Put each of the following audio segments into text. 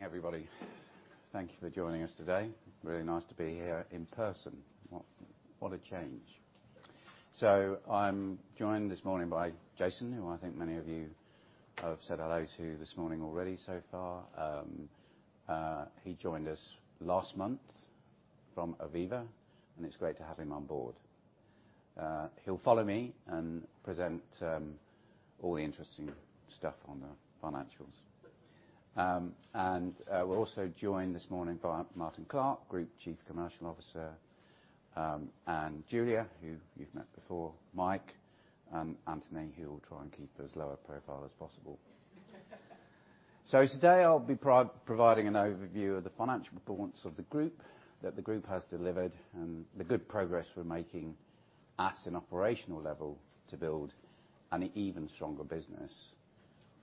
Good morning, everybody. Thank you for joining us today. Really nice to be here in person. What a change. I'm joined this morning by Jason, who I think many of you have said hello to this morning already so far. He joined us last month from Aviva, and it's great to have him on board. He'll follow me and present all the interesting stuff on the financials. We're also joined this morning by Martyn Clark, Group Chief Commercial Officer, and Julia, who you've met before, Mike, and Anthony, who will try and keep as low a profile as possible. Today I'll be providing an overview of the financial performance of the group that the group has delivered, and the good progress we're making at an operational level to build an even stronger business,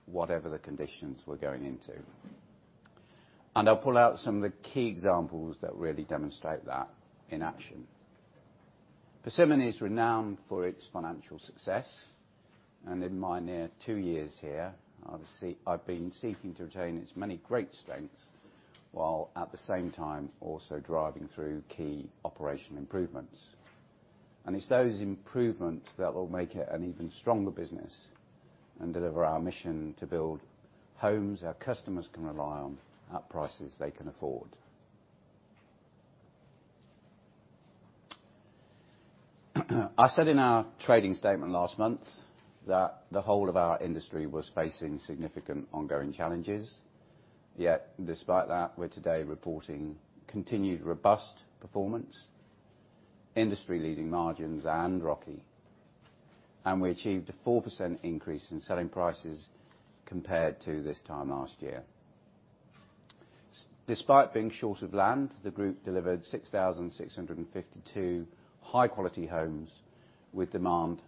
whatever the conditions we're going into. I'll pull out some of the key examples that really demonstrate that in action. Persimmon is renowned for its financial success, and in my near two years here, obviously, I've been seeking to retain its many great strengths, while at the same time also driving through key operational improvements. It's those improvements that will make it an even stronger business and deliver our mission to build homes our customers can rely on at prices they can afford. I said in our trading statement last month that the whole of our industry was facing significant ongoing challenges. Yet despite that, we're today reporting continued robust performance, industry leading margins and ROCE, and we achieved a 4% increase in selling prices compared to this time last year. Despite being short of land, the group delivered 6,652 high-quality homes, with demand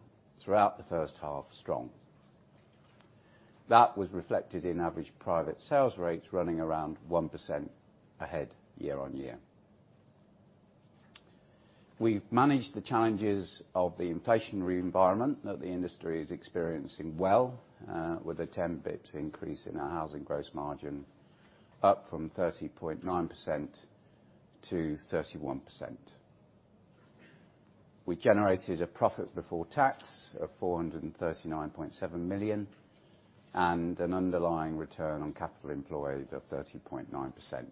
throughout the first half strong. That was reflected in average private sales rates running around 1% ahead year-over-year. We've managed the challenges of the inflationary environment that the industry is experiencing well, with a 10 basis points increase in our housing gross margin, up from 30.9%-31%. We generated a profit before tax of 439.7 million, and an underlying return on capital employed of 30.9%.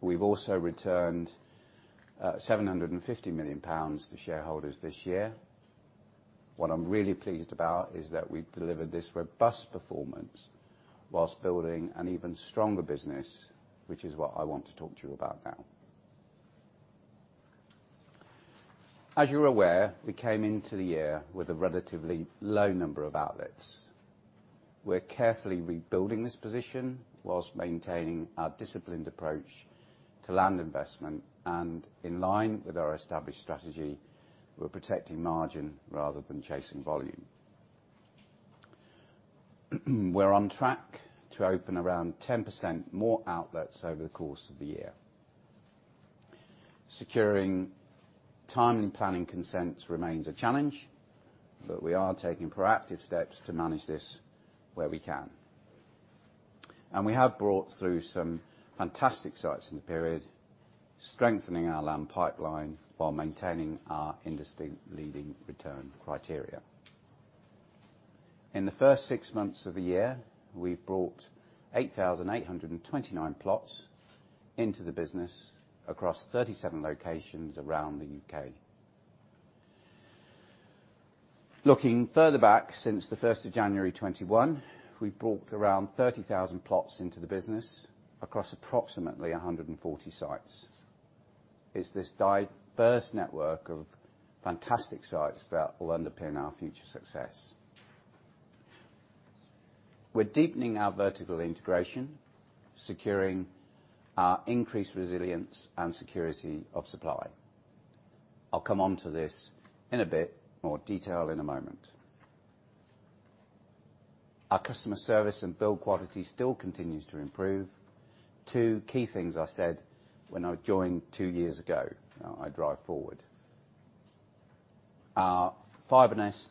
We've also returned 750 million pounds to shareholders this year. What I'm really pleased about is that we've delivered this robust performance while building an even stronger business, which is what I want to talk to you about now. As you're aware, we came into the year with a relatively low number of outlets. We're carefully rebuilding this position while maintaining our disciplined approach to land investment, and in line with our established strategy, we're protecting margin rather than chasing volume. We're on track to open around 10% more outlets over the course of the year. Securing timely planning consents remains a challenge, but we are taking proactive steps to manage this where we can. We have brought through some fantastic sites in the period, strengthening our land pipeline while maintaining our industry-leading return criteria. In the first six months of the year, we've brought 8,829 plots into the business across 37 locations around the UK. Looking further back, since the first of January 2021, we've brought around 30,000 plots into the business across approximately 140 sites. It's this diverse network of fantastic sites that will underpin our future success. We're deepening our vertical integration, securing our increased resilience and security of supply. I'll come onto this in a bit more detail in a moment. Our customer service and build quality still continues to improve. Two key things I said when I joined two years ago I'd drive forward. Our FibreNest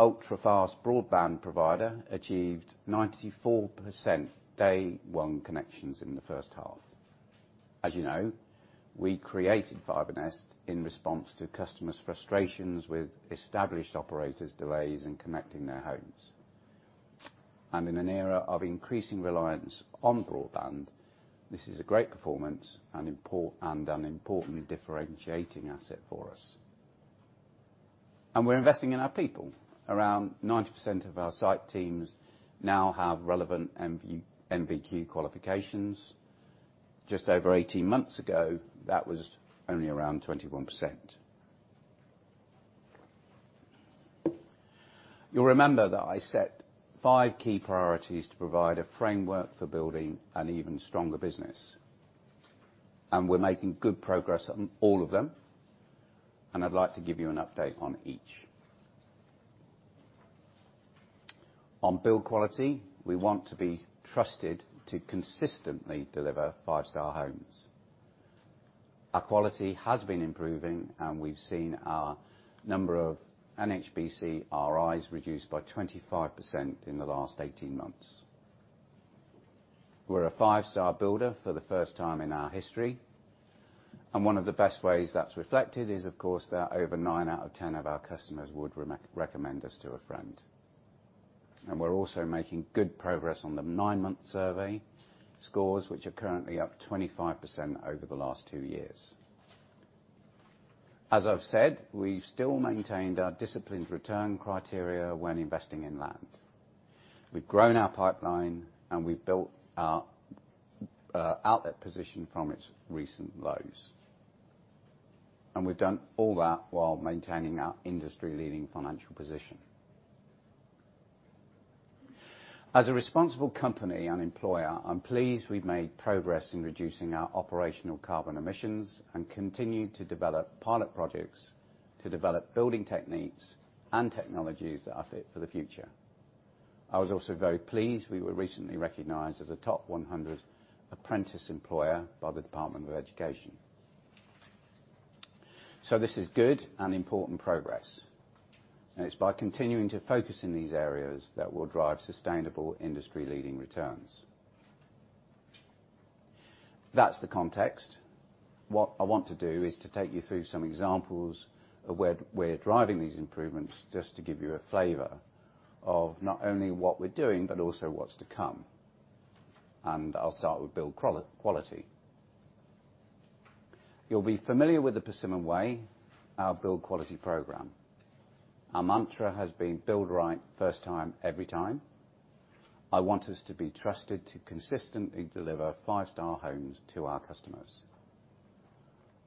ultra-fast broadband provider achieved 94% day one connections in the first half. As you know, we created FibreNest in response to customers' frustrations with established operators' delays in connecting their homes. In an era of increasing reliance on broadband, this is a great performance and an importantly differentiating asset for us. We're investing in our people. Around 90% of our site teams now have relevant NVQ qualifications. Just over 18 months ago, that was only around 21%. You'll remember that I set five key priorities to provide a framework for building an even stronger business. We're making good progress on all of them, and I'd like to give you an update on each. On build quality, we want to be trusted to consistently deliver five-star homes. Our quality has been improving and we've seen our number of NHBC RIs reduced by 25% in the last 18 months. We're a five-star builder for the first time in our history, and one of the best ways that's reflected is, of course, that over nine out of 10 of our customers would recommend us to a friend. We're also making good progress on the nine month survey. Scores which are currently up 25% over the last two years. As I've said, we've still maintained our disciplined return criteria when investing in land. We've grown our pipeline, and we've built our outlet position from its recent lows. We've done all that while maintaining our industry-leading financial position. As a responsible company and employer, I'm pleased we've made progress in reducing our operational carbon emissions and continue to develop pilot projects to develop building techniques and technologies that are fit for the future. I was also very pleased we were recently recognized as a top 100 apprentice employer by the Department for Education. This is good and important progress, and it's by continuing to focus in these areas that will drive sustainable industry-leading returns. That's the context. What I want to do is to take you through some examples of where we're driving these improvements just to give you a flavor of not only what we're doing, but also what's to come. I'll start with build quality. You'll be familiar with the Persimmon Way, our build quality program. Our mantra has been build right first time, every time. I want us to be trusted to consistently deliver five-star homes to our customers.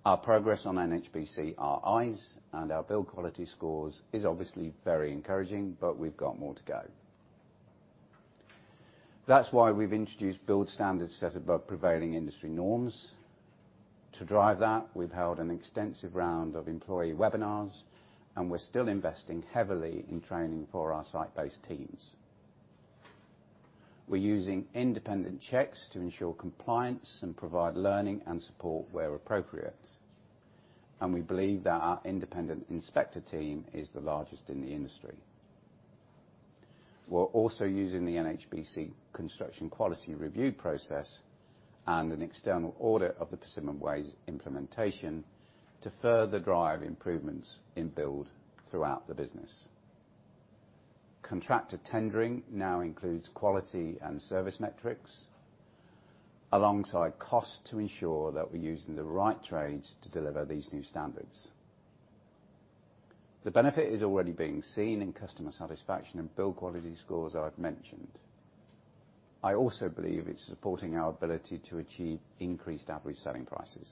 Our progress on NHBC RIs and our build quality scores is obviously very encouraging, but we've got more to go. That's why we've introduced build standards set above prevailing industry norms. To drive that, we've held an extensive round of employee webinars, and we're still investing heavily in training for our site-based teams. We're using independent checks to ensure compliance and provide learning and support where appropriate, and we believe that our independent inspector team is the largest in the industry. We're also using the NHBC Construction Quality Review process and an external audit of the Persimmon Way's implementation to further drive improvements in build throughout the business. Contractor tendering now includes quality and service metrics alongside cost to ensure that we're using the right trades to deliver these new standards. The benefit is already being seen in customer satisfaction and build quality scores I've mentioned. I also believe it's supporting our ability to achieve increased average selling prices.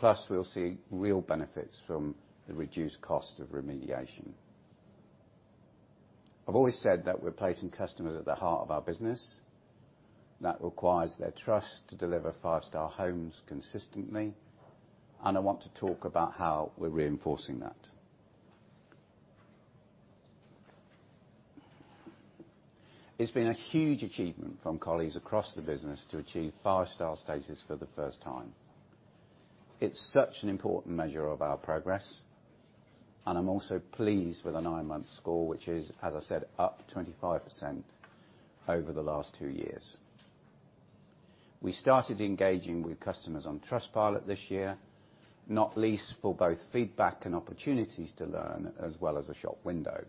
Plus, we'll see real benefits from the reduced cost of remediation. I've always said that we're placing customers at the heart of our business. That requires their trust to deliver five-star homes consistently, and I want to talk about how we're reinforcing that. It's been a huge achievement from colleagues across the business to achieve five-star status for the first time. It's such an important measure of our progress, and I'm also pleased with the nine-month score, which is, as I said, up 25% over the last two years. We started engaging with customers on Trustpilot this year, not least for both feedback and opportunities to learn as well as a shop window.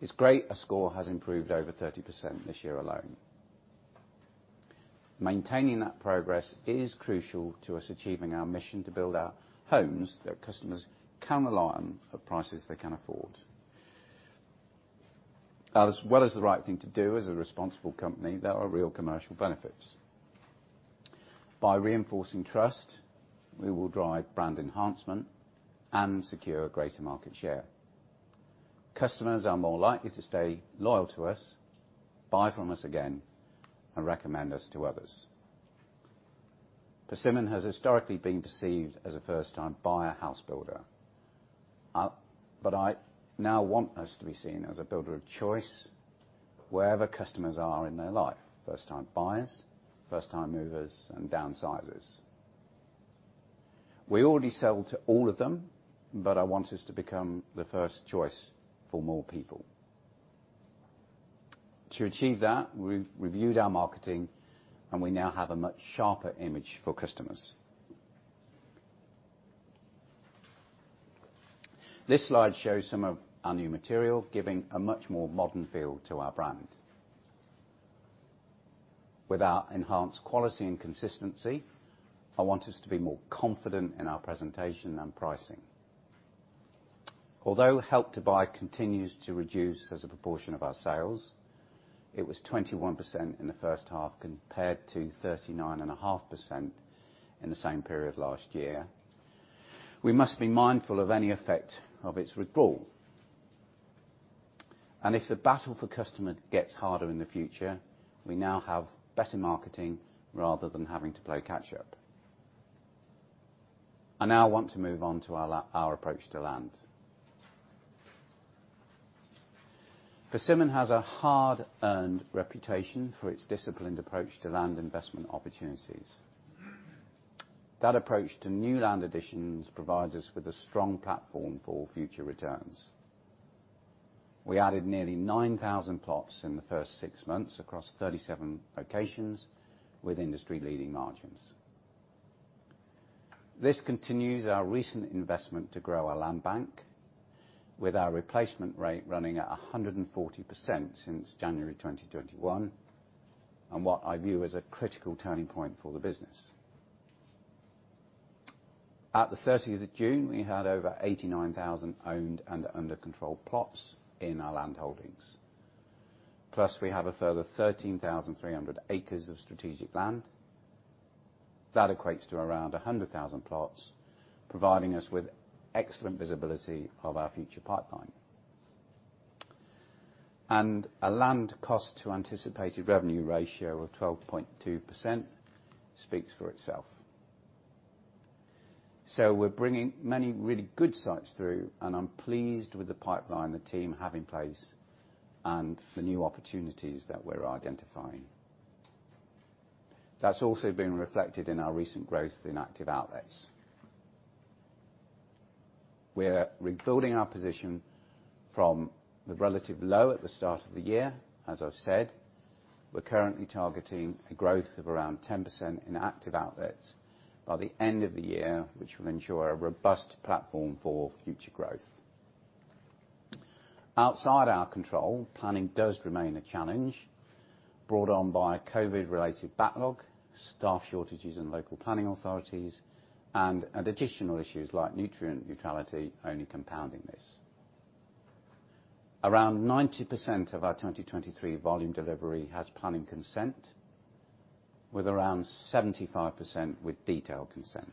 It's great our score has improved over 30% this year alone. Maintaining that progress is crucial to us achieving our mission to build our homes that customers can rely on for prices they can afford. As well as the right thing to do as a responsible company, there are real commercial benefits. By reinforcing trust, we will drive brand enhancement and secure greater market share. Customers are more likely to stay loyal to us, buy from us again, and recommend us to others. Persimmon has historically been perceived as a first-time buyer house builder. I now want us to be seen as a builder of choice wherever customers are in their life, first-time buyers, first-time movers, and downsizers. We already sell to all of them, but I want us to become the first choice for more people. To achieve that, we've reviewed our marketing and we now have a much sharper image for customers. This slide shows some of our new material, giving a much more modern feel to our brand. With our enhanced quality and consistency, I want us to be more confident in our presentation and pricing. Although Help to Buy continues to reduce as a proportion of our sales, it was 21% in the first half compared to 39.5% in the same period last year. We must be mindful of any effect of its withdrawal. If the battle for customer gets harder in the future, we now have better marketing rather than having to play catch up. I now want to move on to our approach to land. Persimmon has a hard-earned reputation for its disciplined approach to land investment opportunities. That approach to new land additions provides us with a strong platform for future returns. We added nearly 9,000 plots in the first six months across 37 locations with industry-leading margins. This continues our recent investment to grow our land bank, with our replacement rate running at 140% since January 2021, and what I view as a critical turning point for the business. At the 13th of June, we had over 89,000 owned and under controlled plots in our land holdings. Plus we have a further 13,300 acres of strategic land. That equates to around 100,000 plots, providing us with excellent visibility of our future pipeline. A land cost to anticipated revenue ratio of 12.2% speaks for itself. We're bringing many really good sites through, and I'm pleased with the pipeline the team have in place and the new opportunities that we're identifying. That's also been reflected in our recent growth in active outlets. We're rebuilding our position from the relative low at the start of the year, as I've said. We're currently targeting a growth of around 10% in active outlets by the end of the year, which will ensure a robust platform for future growth. Outside our control, planning does remain a challenge brought on by a COVID-related backlog, staff shortages in local planning authorities, and additional issues like nutrient neutrality only compounding this. Around 90% of our 2023 volume delivery has planning consent, with around 75% with detailed consent.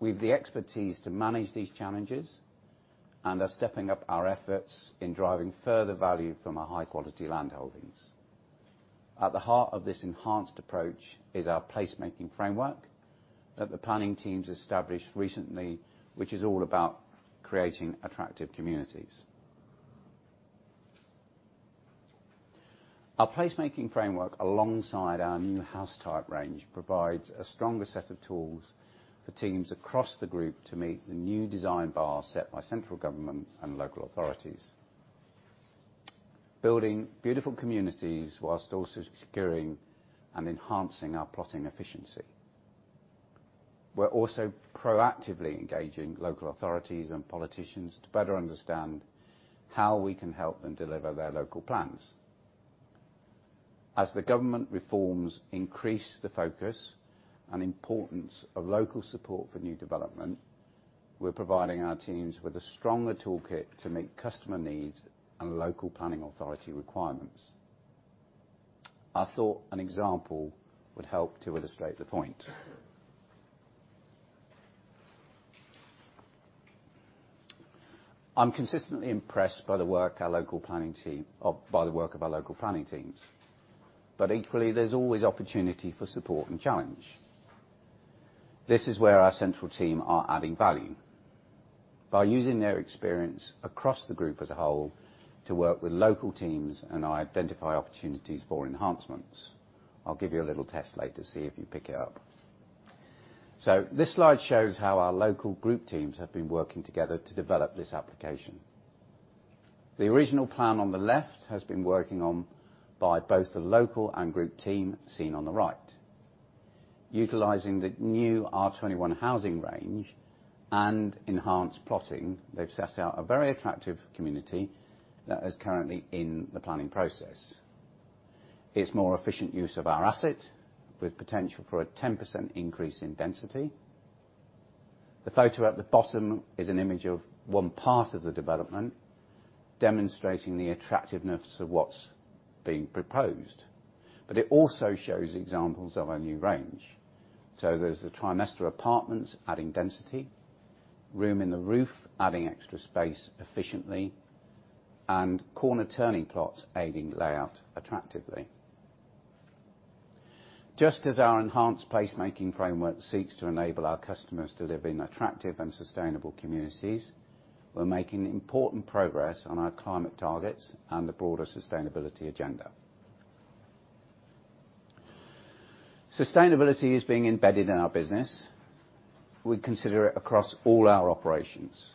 We've the expertise to manage these challenges and are stepping up our efforts in driving further value from our high-quality land holdings. At the heart of this enhanced approach is our placemaking framework that the planning teams established recently, which is all about creating attractive communities. Our placemaking framework, alongside our new house type range, provides a stronger set of tools for teams across the group to meet the new design bar set by central government and local authorities, building beautiful communities while also securing and enhancing our plotting efficiency. We're also proactively engaging local authorities and politicians to better understand how we can help them deliver their local plans. As the government reforms increase the focus and importance of local support for new development, we're providing our teams with a stronger toolkit to meet customer needs and local planning authority requirements. I thought an example would help to illustrate the point. I'm consistently impressed by the work of our local planning teams. Equally, there's always opportunity for support and challenge. This is where our central team are adding value, by using their experience across the group as a whole to work with local teams and identify opportunities for enhancements. I'll give you a little test later, see if you pick it up. This slide shows how our local group teams have been working together to develop this application. The original plan on the left has been worked on by both the local and group team seen on the right. Utilizing the new R21 housing range and enhanced plotting, they've set out a very attractive community that is currently in the planning process. It's more efficient use of our asset with potential for a 10% increase in density. The photo at the bottom is an image of one part of the development, demonstrating the attractiveness of what's being proposed. It also shows examples of our new range. There's the Trimester apartments adding density, room in the roof adding extra space efficiently, and corner turning plots aiding layout attractively. Just as our enhanced placemaking framework seeks to enable our customers to live in attractive and sustainable communities, we're making important progress on our climate targets and the broader sustainability agenda. Sustainability is being embedded in our business. We consider it across all our operations.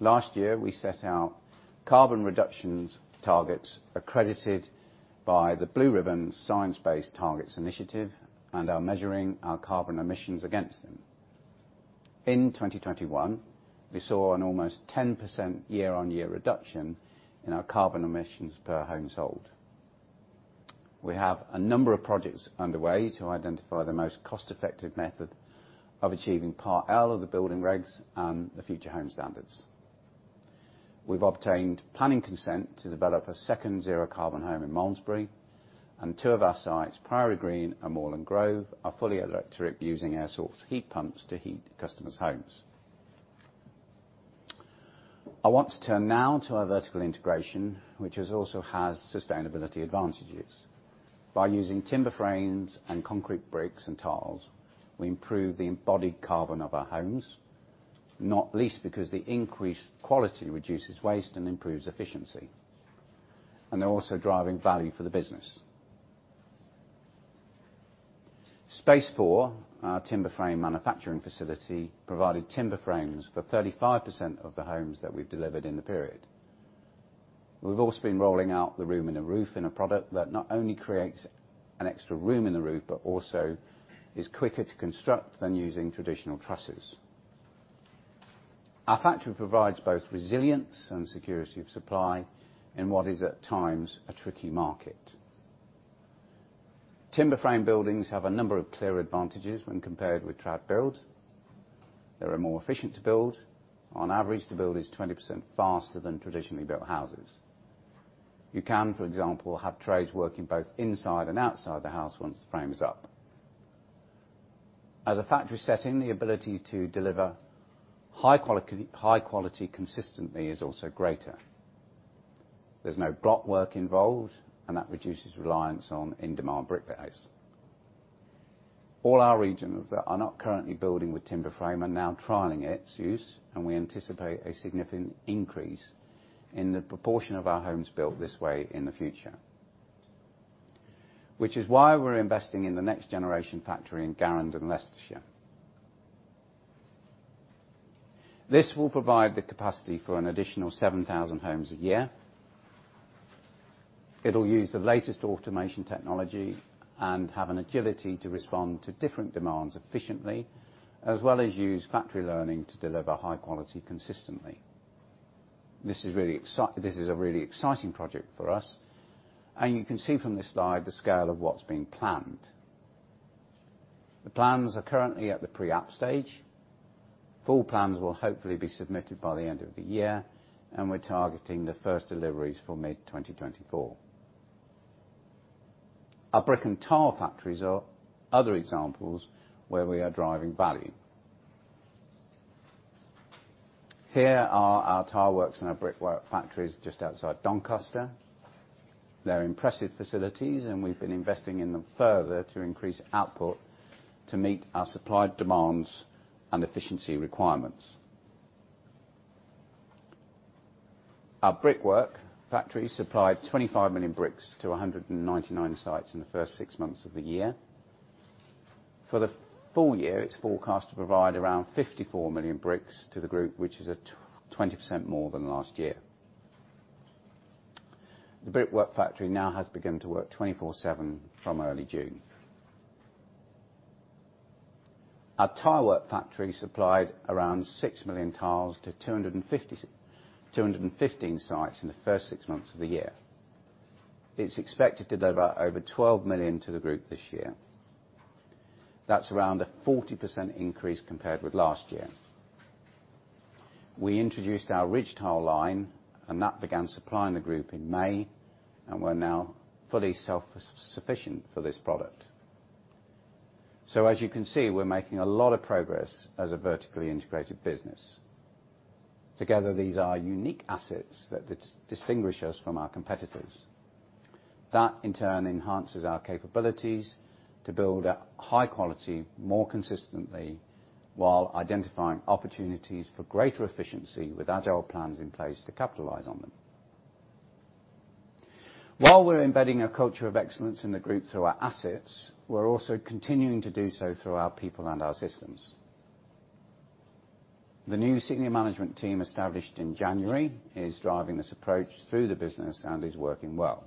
Last year, we set out carbon reductions targets accredited by the blue-ribbon Science Based Targets initiative and are measuring our carbon emissions against them. In 2021, we saw an almost 10% year-on-year reduction in our carbon emissions per home sold. We have a number of projects underway to identify the most cost-effective method of achieving Part L of the building regs and the Future Homes Standard. We've obtained planning consent to develop a second zero-carbon home in Malmesbury, and two of our sites, Priory Green and Moorland Grove, are fully electric, using air source heat pumps to heat customers' homes. I want to turn now to our vertical integration, which also has sustainability advantages. By using timber frames and concrete bricks and tiles, we improve the embodied carbon of our homes, not least because the increased quality reduces waste and improves efficiency, and they're also driving value for the business. Space4, our timber frame manufacturing facility, provided timber frames for 35% of the homes that we've delivered in the period. We've also been rolling out the room in a roof in a product that not only creates an extra room in the roof, but also is quicker to construct than using traditional trusses. Our factory provides both resilience and security of supply in what is, at times, a tricky market. Timber frame buildings have a number of clear advantages when compared with trad build. They are more efficient to build. On average, the build is 20% faster than traditionally built houses. You can, for example, have trades working both inside and outside the house once the frame is up. As a factory setting, the ability to deliver high quality consistently is also greater. There's no block work involved, and that reduces reliance on in-demand bricklayers. All our regions that are not currently building with timber frame are now trialing its use, and we anticipate a significant increase in the proportion of our homes built this way in the future. Which is why we're investing in the next generation factory in Garendon in Leicestershire. This will provide the capacity for an additional 7,000 homes a year. It'll use the latest automation technology and have an agility to respond to different demands efficiently, as well as use factory learning to deliver high quality consistently. This is a really exciting project for us, and you can see from this slide the scale of what's been planned. The plans are currently at the pre-app stage. Full plans will hopefully be submitted by the end of the year, and we're targeting the first deliveries for mid 2024. Our brick and tile factories are other examples where we are driving value. Here are our tile works and our brickwork factories just outside Doncaster. They're impressive facilities, and we've been investing in them further to increase output to meet our supplied demands and efficiency requirements. Our brickwork factory supplied 25 million bricks to 199 sites in the first six months of the year. For the full year, it's forecast to provide around 54 million bricks to the group, which is a 20% more than last year. The brickwork factory now has begun to work 24/7 from early June. Our tile work factory supplied around 6 million tiles to 215 sites in the first six months of the year. It's expected to deliver over 12 million to the group this year. That's around a 40% increase compared with last year. We introduced our ridge tile line, and that began supplying the group in May, and we're now fully self-sufficient for this product. As you can see, we're making a lot of progress as a vertically integrated business. Together, these are unique assets that distinguish us from our competitors. That in turn enhances our capabilities to build at high quality more consistently while identifying opportunities for greater efficiency with agile plans in place to capitalize on them. While we're embedding a culture of excellence in the group through our assets, we're also continuing to do so through our people and our systems. The new senior management team established in January is driving this approach through the business and is working well.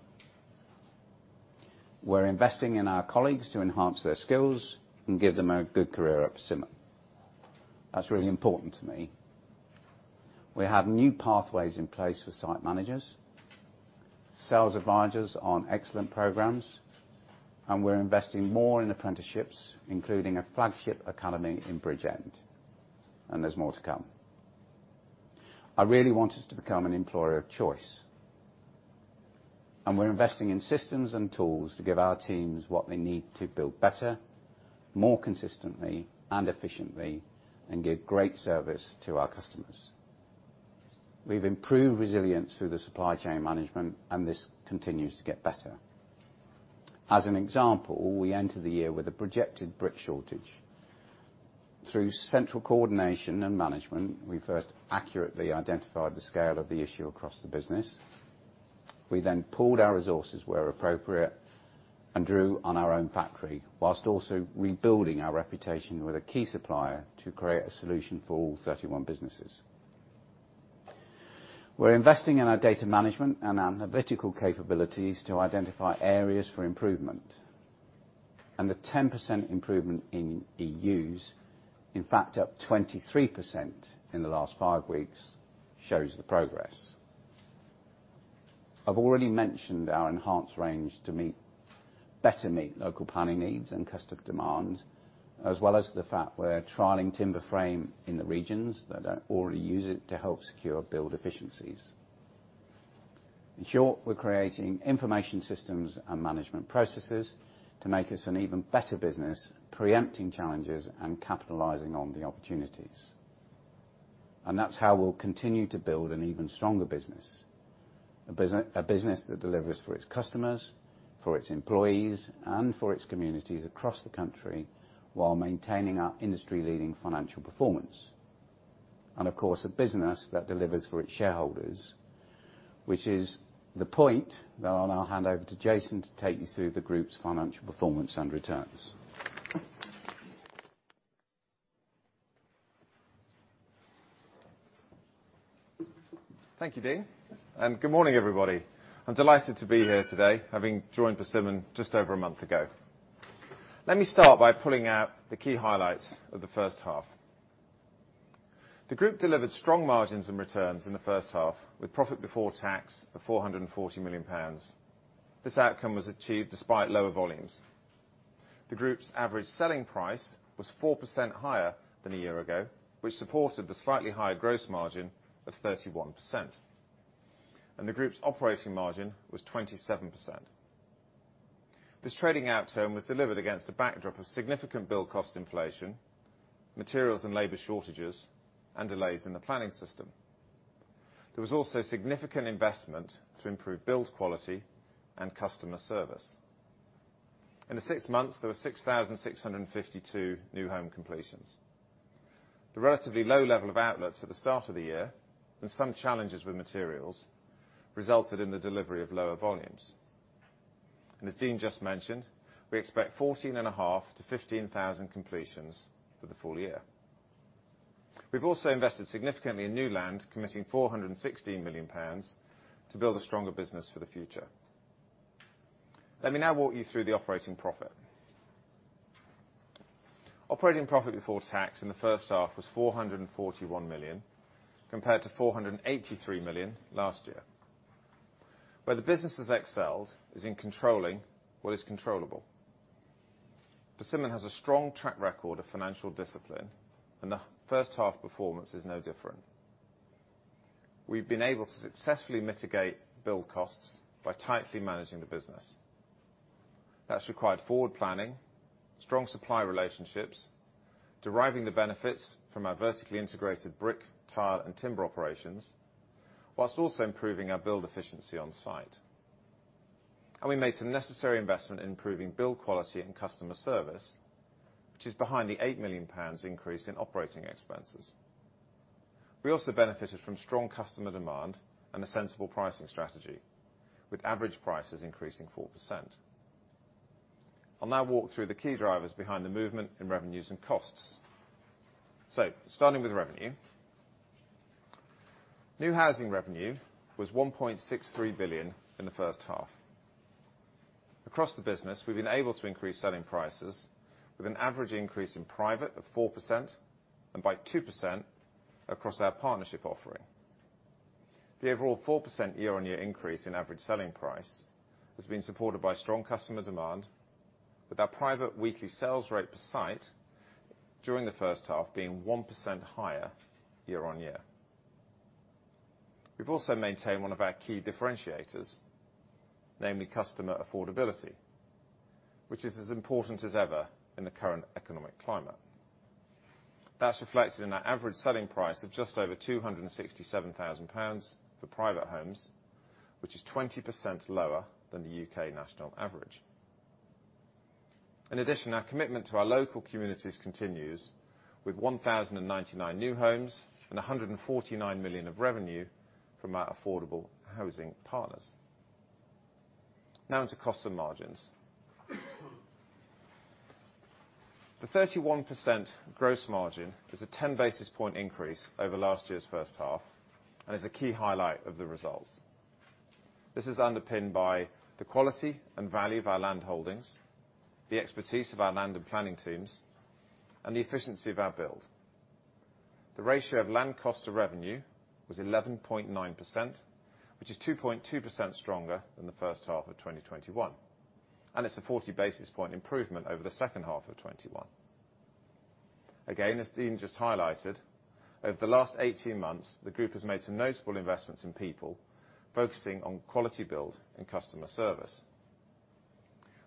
We're investing in our colleagues to enhance their skills and give them a good career at Persimmon. That's really important to me. We have new pathways in place for site managers, sales advisors on excellent programs, and we're investing more in apprenticeships, including a flagship academy in Bridgend, and there's more to come. I really want us to become an employer of choice, and we're investing in systems and tools to give our teams what they need to build better, more consistently and efficiently, and give great service to our customers. We've improved resilience through the supply chain management, and this continues to get better. As an example, we enter the year with a projected brick shortage. Through central coordination and management, we first accurately identified the scale of the issue across the business. We then pooled our resources where appropriate and drew on our own factory whilst also rebuilding our reputation with a key supplier to create a solution for all 31 businesses. We're investing in our data management and analytical capabilities to identify areas for improvement, and the 10% improvement in EUs, in fact up 23% in the last five weeks, shows the progress. I've already mentioned our enhanced range to meet, better meet local planning needs and customer demand, as well as the fact we're trialing timber frame in the regions that don't already use it to help secure build efficiencies. In short, we're creating information systems and management processes to make us an even better business, preempting challenges and capitalizing on the opportunities. That's how we'll continue to build an even stronger business. A business that delivers for its customers, for its employees, and for its communities across the country, while maintaining our industry-leading financial performance. Of course, a business that delivers for its shareholders, which is the point that I'll now hand over to Jason to take you through the group's financial performance and returns. Thank you, Dean, and good morning, everybody. I'm delighted to be here today, having joined Persimmon just over a month ago. Let me start by pulling out the key highlights of the first half. The group delivered strong margins and returns in the first half, with profit before tax of 440 million pounds. This outcome was achieved despite lower volumes. The group's average selling price was 4% higher than a year ago, which supported the slightly higher gross margin of 31%, and the group's operating margin was 27%. This trading outcome was delivered against a backdrop of significant build cost inflation, materials and labor shortages, and delays in the planning system. There was also significant investment to improve build quality and customer service. In the six months, there were 6,652 new home completions. The relatively low level of outlets at the start of the year and some challenges with materials resulted in the delivery of lower volumes. As Dean just mentioned, we expect 14.5-15,000 completions for the full year. We've also invested significantly in new land, committing 416 million pounds to build a stronger business for the future. Let me now walk you through the operating profit. Operating profit before tax in the first half was 441 million, compared to 483 million last year. Where the business has excelled is in controlling what is controllable. Persimmon has a strong track record of financial discipline, and the first half performance is no different. We've been able to successfully mitigate build costs by tightly managing the business. That's required forward planning, strong supply relationships, deriving the benefits from our vertically integrated brick, tile, and timber operations, while also improving our build efficiency on site. We made some necessary investment in improving build quality and customer service, which is behind the 8 million pounds increase in operating expenses. We also benefited from strong customer demand and a sensible pricing strategy, with average prices increasing 4%. I'll now walk through the key drivers behind the movement in revenues and costs. Starting with revenue. New housing revenue was 1.63 billion in the first half. Across the business, we've been able to increase selling prices with an average increase in private of 4%, and by 2% across our partnership offering. The overall 4% year-on-year increase in average selling price has been supported by strong customer demand, with our private weekly sales rate per site during the first half being 1% higher year-on-year. We've also maintained one of our key differentiators, namely customer affordability, which is as important as ever in the current economic climate. That's reflected in our average selling price of just over 267,000 pounds for private homes, which is 20% lower than the U.K. national average. In addition, our commitment to our local communities continues with 1,099 new homes and 149 million of revenue from our affordable housing partners. Now onto costs and margins. The 31% gross margin is a 10 basis points increase over last year's first half and is a key highlight of the results. This is underpinned by the quality and value of our land holdings, the expertise of our land and planning teams, and the efficiency of our build. The ratio of land cost to revenue was 11.9%, which is 2.2% stronger than the first half of 2021. It's a 40 basis point improvement over the second half of 2021. Again, as Dean just highlighted, over the last 18 months, the group has made some notable investments in people focusing on quality build and customer service.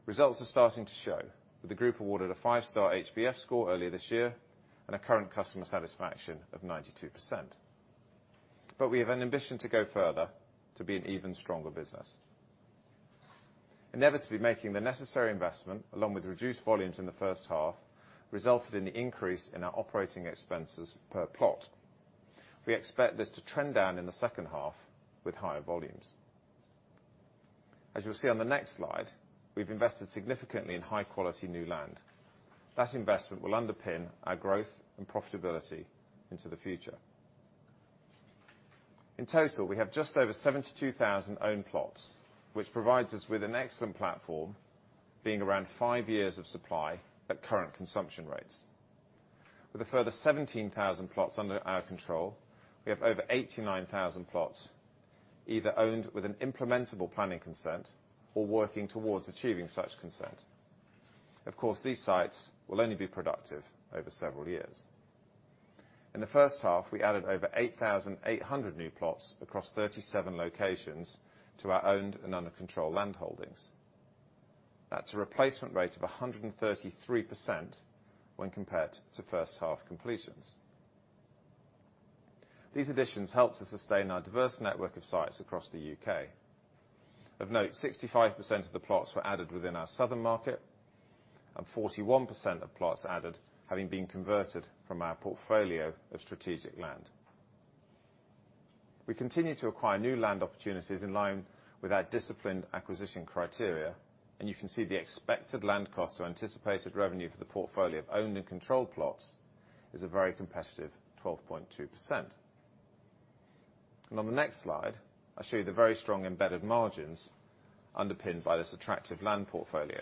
Results are starting to show with the group awarded a 5-star HBF score earlier this year and a current customer satisfaction of 92%. We have an ambition to go further to be an even stronger business. Inevitably, making the necessary investment along with reduced volumes in the first half resulted in the increase in our operating expenses per plot. We expect this to trend down in the second half with higher volumes. As you'll see on the next slide, we've invested significantly in high-quality new land. That investment will underpin our growth and profitability into the future. In total, we have just over 72,000 own plots, which provides us with an excellent platform being around five years of supply at current consumption rates. With a further 17,000 plots under our control, we have over 89,000 plots either owned with an implementable planning consent or working towards achieving such consent. Of course, these sites will only be productive over several years. In the first half, we added over 8,800 new plots across 37 locations to our owned and under control landholdings. That's a replacement rate of 133% when compared to first half completions. These additions help to sustain our diverse network of sites across the U.K. Of note, 65% of the plots were added within our southern market, and 41% of plots added having been converted from our portfolio of strategic land. We continue to acquire new land opportunities in line with our disciplined acquisition criteria, and you can see the expected land cost or anticipated revenue for the portfolio of owned and controlled plots is a very competitive 12.2%. On the next slide, I show you the very strong embedded margins underpinned by this attractive land portfolio.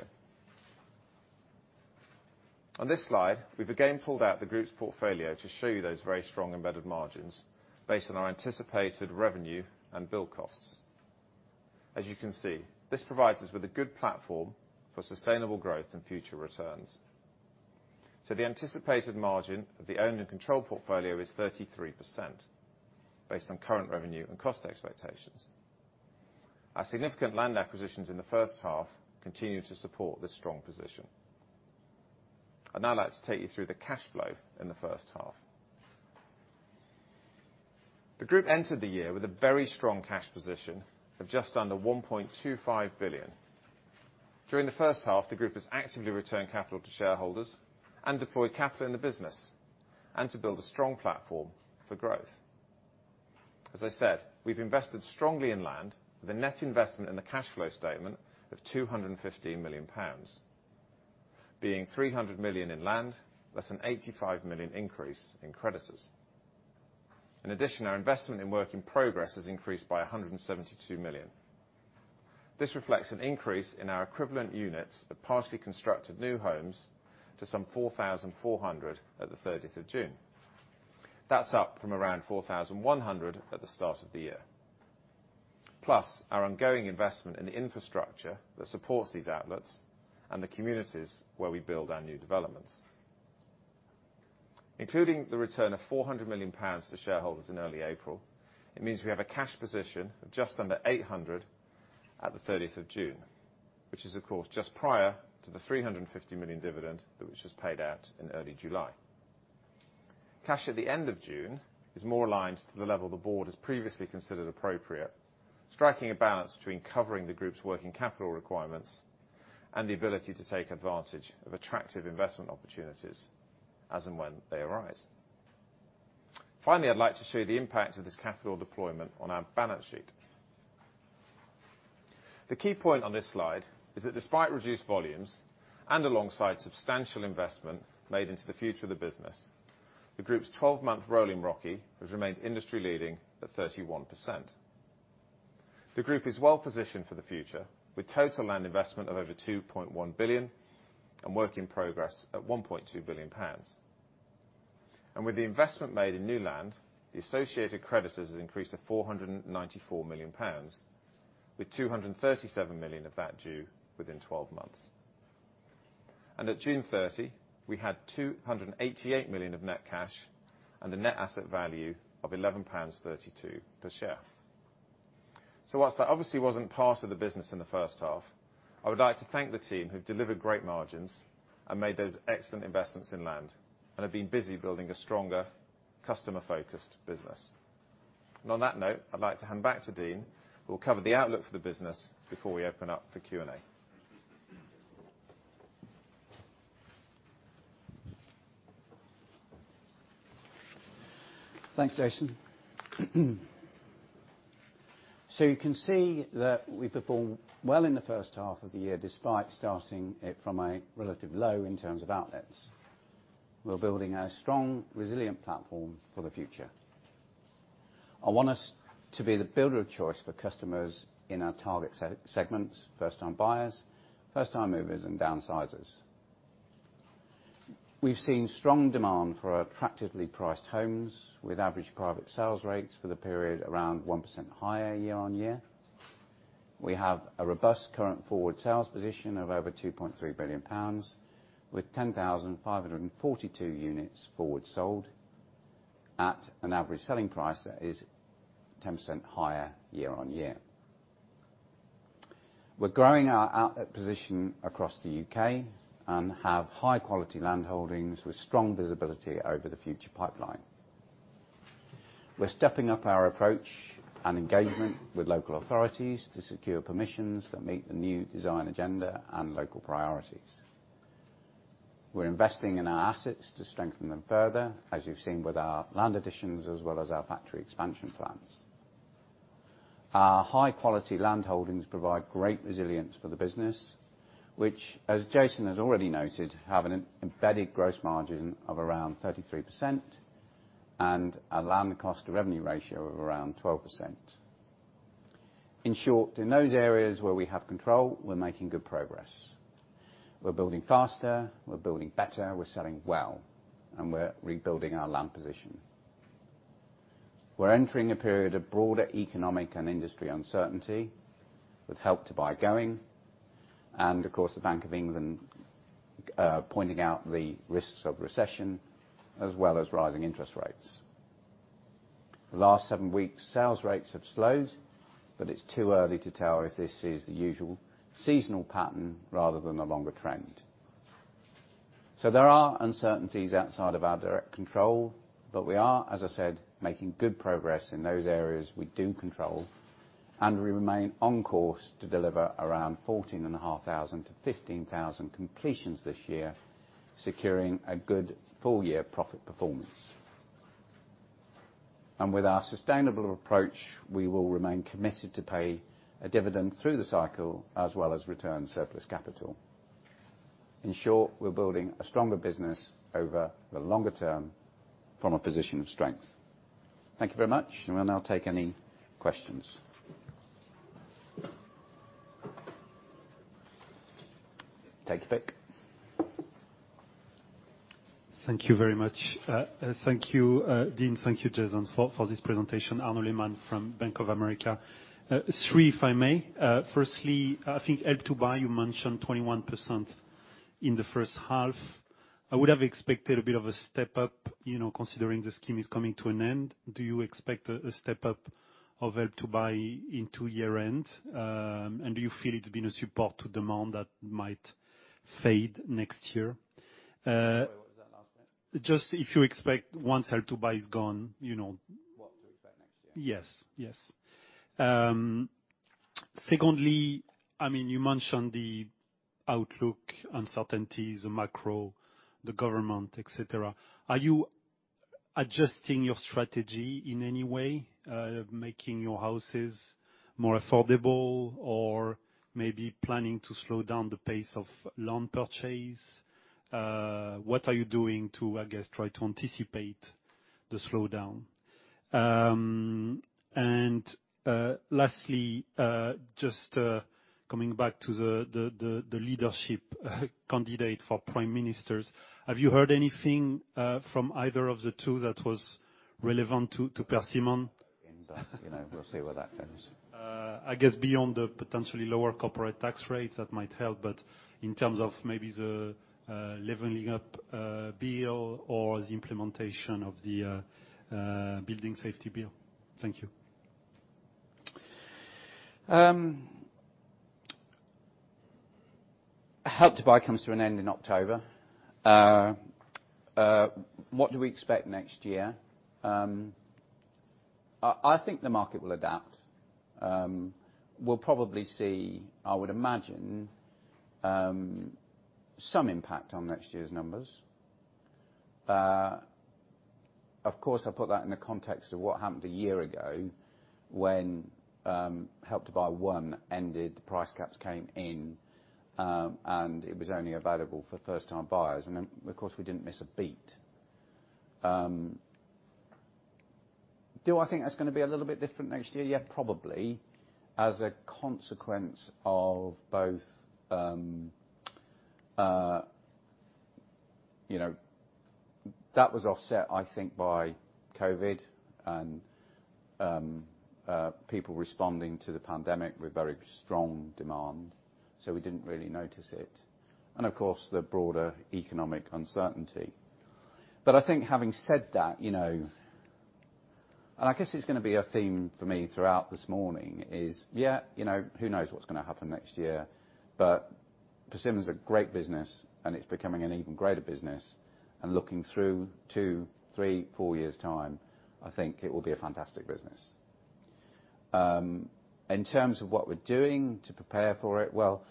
On this slide, we've again pulled out the group's portfolio to show you those very strong embedded margins based on our anticipated revenue and build costs. As you can see, this provides us with a good platform for sustainable growth and future returns. The anticipated margin of the owned and controlled portfolio is 33% based on current revenue and cost expectations. Our significant land acquisitions in the first half continue to support this strong position. I'd now like to take you through the cash flow in the first half. The group entered the year with a very strong cash position of just under 1.25 billion. During the first half, the group has actively returned capital to shareholders and deployed capital in the business and to build a strong platform for growth. As I said, we've invested strongly in land with a net investment in the cash flow statement of 215 million pounds, being 300 million in land, less 85 million increase in creditors. In addition, our investment in work in progress has increased by 172 million. This reflects an increase in our equivalent units of partially constructed new homes to some 4,400 at the 30th of June. That's up from around 4,100 at the start of the year. Plus, our ongoing investment in the infrastructure that supports these outlets and the communities where we build our new developments. Including the return of 400 million pounds to shareholders in early April, it means we have a cash position of just under 800 million at the 30th of June, which is, of course, just prior to the 350 million dividend that was just paid out in early July. Cash at the end of June is more aligned to the level the board has previously considered appropriate, striking a balance between covering the group's working capital requirements and the ability to take advantage of attractive investment opportunities as and when they arise. Finally, I'd like to show you the impact of this capital deployment on our balance sheet. The key point on this slide is that despite reduced volumes and alongside substantial investment made into the future of the business, the group's 12 month rolling ROCE has remained industry leading at 31%. The group is well positioned for the future with total land investment of over 2.1 billion and work in progress at 1.2 billion pounds. With the investment made in new land, the associated creditors has increased to 494 million pounds, with 237 million pounds of that due within 12 months. At June 30, we had 288 million of net cash and a net asset value of 11.32 pounds per share. While that obviously wasn't part of the business in the first half, I would like to thank the team who've delivered great margins and made those excellent investments in land and have been busy building a stronger customer-focused business. On that note, I'd like to hand back to Dean, who will cover the outlook for the business before we open up for Q&A. Thanks, Jason. You can see that we performed well in the first half of the year, despite starting it from a relative low in terms of outlets. We're building a strong, resilient platform for the future. I want us to be the builder of choice for customers in our target segments, first-time buyers, first-time movers and downsizers. We've seen strong demand for our attractively priced homes with average private sales rates for the period around 1% higher year-on-year. We have a robust current forward sales position of over 2.3 billion pounds with 10,542 units forward sold at an average selling price that is 10% higher year-on-year. We're growing our outlet position across the U.K. and have high-quality landholdings with strong visibility over the future pipeline. We're stepping up our approach and engagement with local authorities to secure permissions that meet the new design agenda and local priorities. We're investing in our assets to strengthen them further, as you've seen with our land additions as well as our factory expansion plans. Our high-quality landholdings provide great resilience for the business, which, as Jason has already noted, have an embedded gross margin of around 33% and a land cost to revenue ratio of around 12%. In short, in those areas where we have control, we're making good progress. We're building faster, we're building better, we're selling well, and we're rebuilding our land position. We're entering a period of broader economic and industry uncertainty with Help to Buy going and of course, the Bank of England pointing out the risks of recession as well as rising interest rates. The last seven weeks, sales rates have slowed, but it's too early to tell if this is the usual seasonal pattern rather than a longer trend. There are uncertainties outside of our direct control, but we are, as I said, making good progress in those areas we do control, and we remain on course to deliver around 14,500-15,000 completions this year, securing a good full year profit performance. With our sustainable approach, we will remain committed to pay a dividend through the cycle as well as return surplus capital. In short, we're building a stronger business over the longer term from a position of strength. Thank you very much, and we'll now take any questions. Take your pick. Thank you very much. Thank you, Dean. Thank you, Jason, for this presentation. Arnaud Lehmann from Bank of America. Three, if I may. Firstly, I think Help to Buy, you mentioned 21% in the first half. I would have expected a bit of a step up, you know, considering the scheme is coming to an end. Do you expect a step up of Help to Buy into year-end? Do you feel it's been a support to demand that might fade next year? Sorry, what was that last bit? Just if you expect once Help to Buy is gone, you know. What to expect next year? Yes. Yes. Secondly, I mean, you mentioned the outlook, uncertainties, the macro, the government, et cetera. Are you adjusting your strategy in any way, making your houses more affordable or maybe planning to slow down the pace of land purchase? What are you doing to, I guess, try to anticipate the slowdown? Lastly, just coming back to the leadership candidate for prime ministers. Have you heard anything from either of the two that was relevant to Persimmon? You know, we'll see where that goes. I guess beyond the potentially lower corporate tax rates, that might help. In terms of maybe the Levelling-up bill or the implementation of the Building Safety bill. Thank you. Help to Buy comes to an end in October. What do we expect next year? I think the market will adapt. We'll probably see, I would imagine, some impact on next year's numbers. Of course, I put that in the context of what happened a year ago when Help to Buy one ended, the price caps came in, and it was only available for first-time buyers. Of course, we didn't miss a beat. Do I think that's gonna be a little bit different next year? Yeah, probably. As a consequence of both, that was offset, I think, by COVID and people responding to the pandemic with very strong demand, so we didn't really notice it. Of course, the broader economic uncertainty. I think having said that, you know, and I guess it's gonna be a theme for me throughout this morning, is, yeah, you know, who knows what's gonna happen next year? Persimmon's a great business, and it's becoming an even greater business. Looking through two, three, four years' time, I think it will be a fantastic business. In terms of what we're doing to prepare for it, well,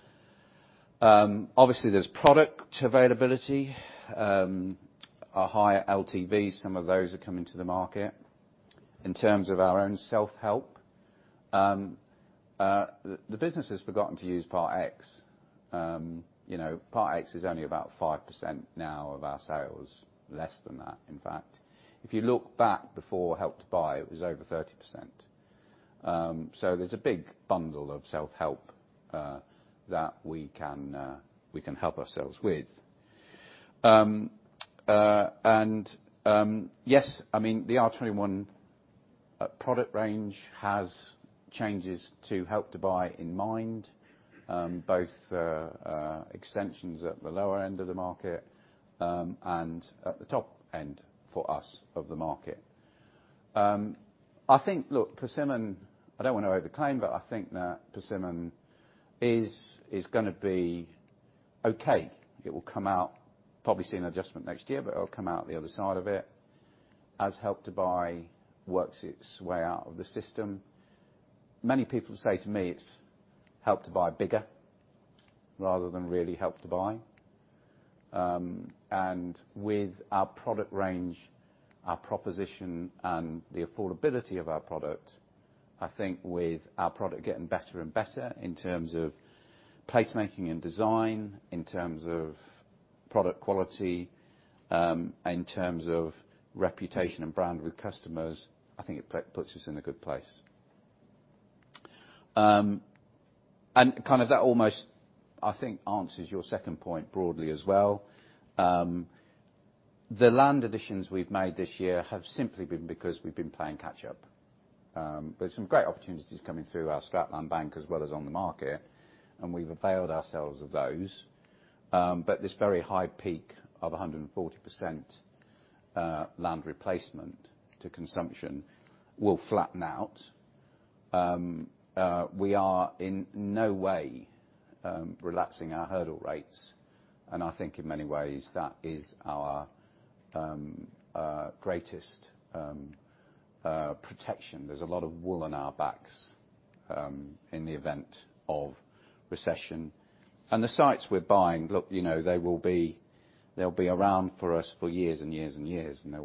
obviously there's product availability. Our higher LTVs, some of those are coming to the market. In terms of our own self-help, the business has forgotten to use Part Exchange. You know, Part Exchange is only about 5% now of our sales. Less than that, in fact. If you look back before Help to Buy, it was over 30%. There's a big bundle of self-help that we can help ourselves with. Yes, I mean, the R21 product range has changes to Help to Buy in mind. Both extensions at the lower end of the market and at the top end of the market. I think, look, Persimmon, I don't wanna overclaim, but I think that Persimmon is gonna be okay. It will come out, probably see an adjustment next year, but it'll come out the other side of it as Help to Buy works its way out of the system. Many people say to me it's Help to Buy bigger rather than really Help to Buy. With our product range, our proposition, and the affordability of our product, I think with our product getting better and better in terms of placemaking and design, in terms of product quality, in terms of reputation and brand with customers, I think it puts us in a good place. Kind of that almost, I think, answers your second point broadly as well. The land additions we've made this year have simply been because we've been playing catch-up. Some great opportunities coming through our strategic land bank as well as on the market, and we've availed ourselves of those. This very high peak of 140% land replacement to consumption will flatten out. We are in no way relaxing our hurdle rates, and I think in many ways that is our greatest protection. There's a lot of wool on our backs in the event of recession. The sites we're buying, look, you know, they will be around for us for years and years and years, and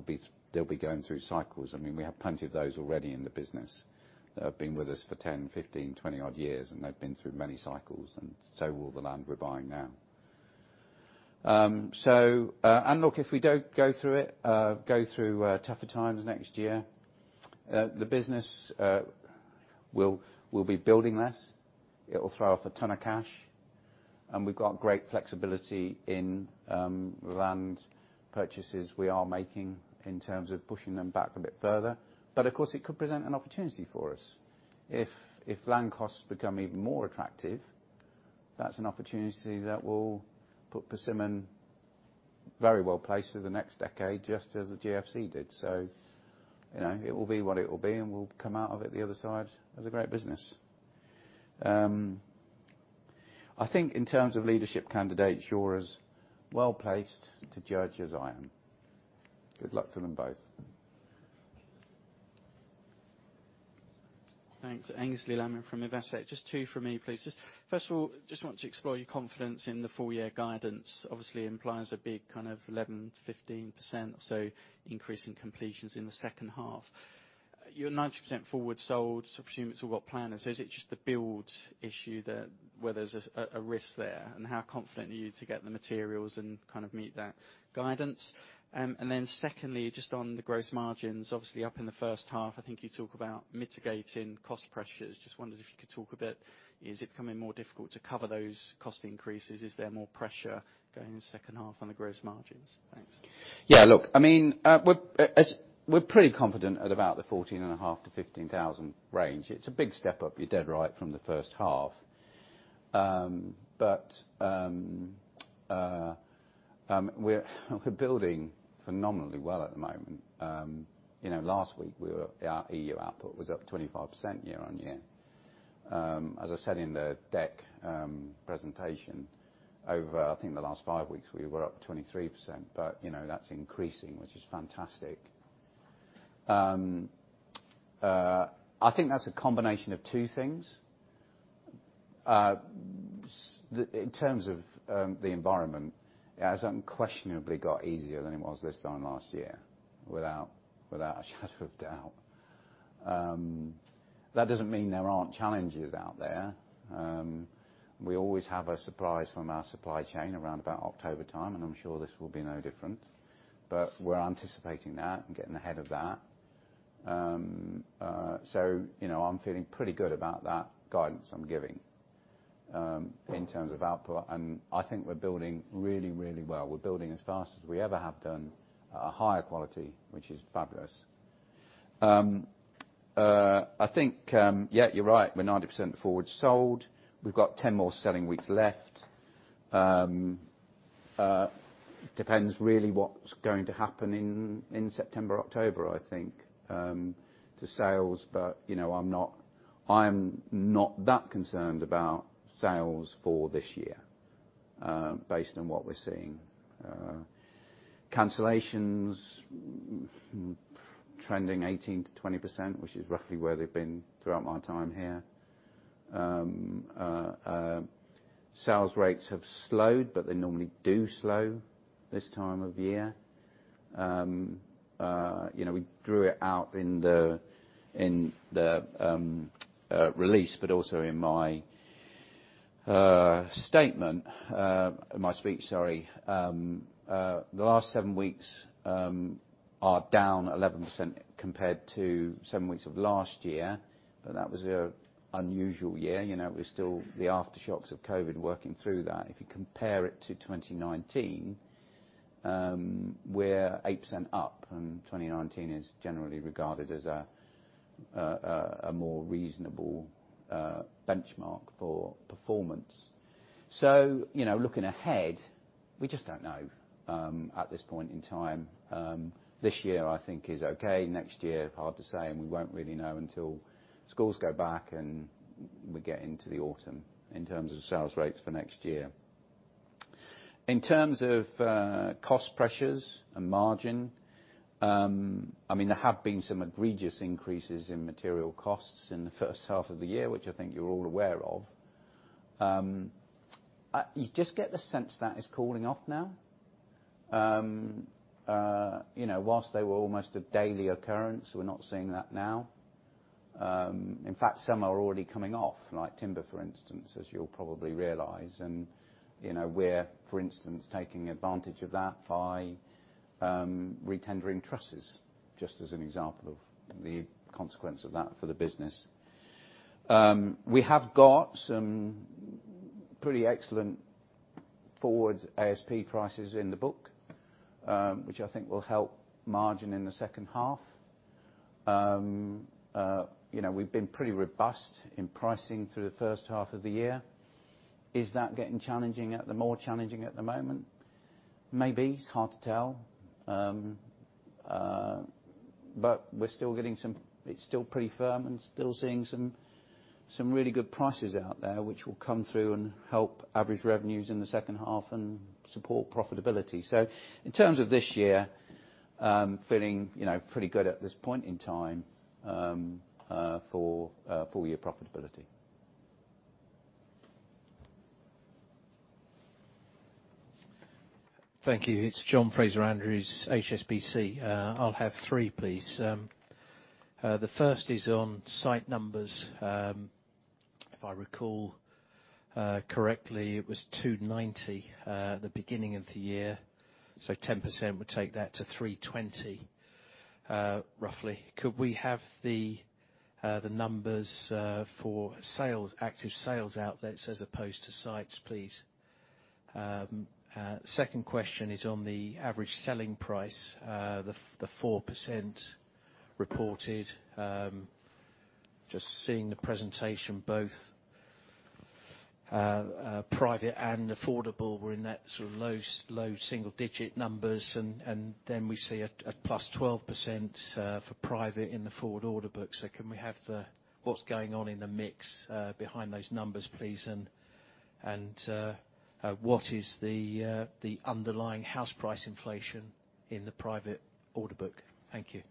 they'll be going through cycles. I mean, we have plenty of those already in the business that have been with us for 10, 15, 20-odd years, and they've been through many cycles, and so will the land we're buying now. Look, if we don't go through tougher times next year, the business will be building less. It'll throw off a ton of cash, and we've got great flexibility in land purchases we are making in terms of pushing them back a bit further. Of course, it could present an opportunity for us. If land costs become even more attractive, that's an opportunity that will put Persimmon very well-placed for the next decade, just as the GFC did. You know, it will be what it will be, and we'll come out of it the other side as a great business. I think in terms of leadership candidates, you're as well-placed to judge as I am. Good luck to them both. Thanks. Aynsley Lammin from Investec. Just two from me, please. First of all, just want to explore your confidence in the full year guidance. Obviously implies a big kind of 11%-15% or so increase in completions in the second half. You're 90% forward sold, so presume it's all got planning. Is it just the build issue, that's where there's a risk there, and how confident are you to get the materials and kind of meet that guidance? Secondly, just on the gross margins, obviously up in the first half, I think you talk about mitigating cost pressures. Just wondered if you could talk a bit, is it becoming more difficult to cover those cost increases? Is there more pressure going in the second half on the gross margins? Thanks. Yeah, look, I mean, we're pretty confident at about the 14.5-15,000 range. It's a big step up, you're dead right, from the first half. We're building phenomenally well at the moment. You know, last week our EU output was up 25% year-on-year. As I said in the deck presentation over, I think, the last five weeks, we were up 23%, but you know, that's increasing, which is fantastic. I think that's a combination of two things. In terms of the environment, it has unquestionably got easier than it was this time last year, without a shadow of doubt. That doesn't mean there aren't challenges out there. We always have a surprise from our supply chain around about October time, and I'm sure this will be no different. We're anticipating that and getting ahead of that. You know, I'm feeling pretty good about that guidance I'm giving, in terms of output, and I think we're building really, really well. We're building as fast as we ever have done at a higher quality, which is fabulous. I think, yeah, you're right. We're 90% forward sold. We've got 10 more selling weeks left. Depends really what's going to happen in September, October, I think, to sales. You know, I'm not that concerned about sales for this year, based on what we're seeing. Cancellations trending 18%-20%, which is roughly where they've been throughout my time here. Sales rates have slowed, but they normally do slow this time of year. You know, we drew it out in the release, but also in my statement, in my speech, sorry. The last seven weeks are down 11% compared to seven weeks of last year, but that was an unusual year. You know, it was still the aftershocks of COVID working through that. If you compare it to 2019, we're 8% up, and 2019 is generally regarded as a more reasonable benchmark for performance. You know, looking ahead, we just don't know at this point in time. This year I think is okay. Next year, hard to say, and we won't really know until schools go back and we get into the autumn in terms of sales rates for next year. In terms of cost pressures and margin, I mean, there have been some egregious increases in material costs in the first half of the year, which I think you're all aware of. You just get the sense that it's cooling off now. You know, while they were almost a daily occurrence, we're not seeing that now. In fact, some are already coming off, like timber, for instance, as you'll probably realize. You know, we're, for instance, taking advantage of that by retendering trusses, just as an example of the consequence of that for the business. We have got some pretty excellent forward ASP prices in the book, which I think will help margin in the second half. You know, we've been pretty robust in pricing through the first half of the year. Is that getting more challenging at the moment? Maybe. It's hard to tell. We're still getting some. It's still pretty firm and still seeing some really good prices out there, which will come through and help average revenues in the second half and support profitability. In terms of this year, feeling you know pretty good at this point in time, for full year profitability. Thank you. It's John Fraser-Andrews, HSBC. I'll have three, please. The first is on site numbers. If I recall correctly, it was 290 at the beginning of the year, so 10% would take that to 320, roughly. Could we have the numbers for sales, active sales outlets as opposed to sites, please? Second question is on the average selling price. The 4% reported, just seeing the presentation, both private and affordable were in that sort of low single digit numbers and then we see a +12% for private in the forward order book. Can we have what's going on in the mix behind those numbers, please? What is the underlying house price inflation in the private order book? Thank you.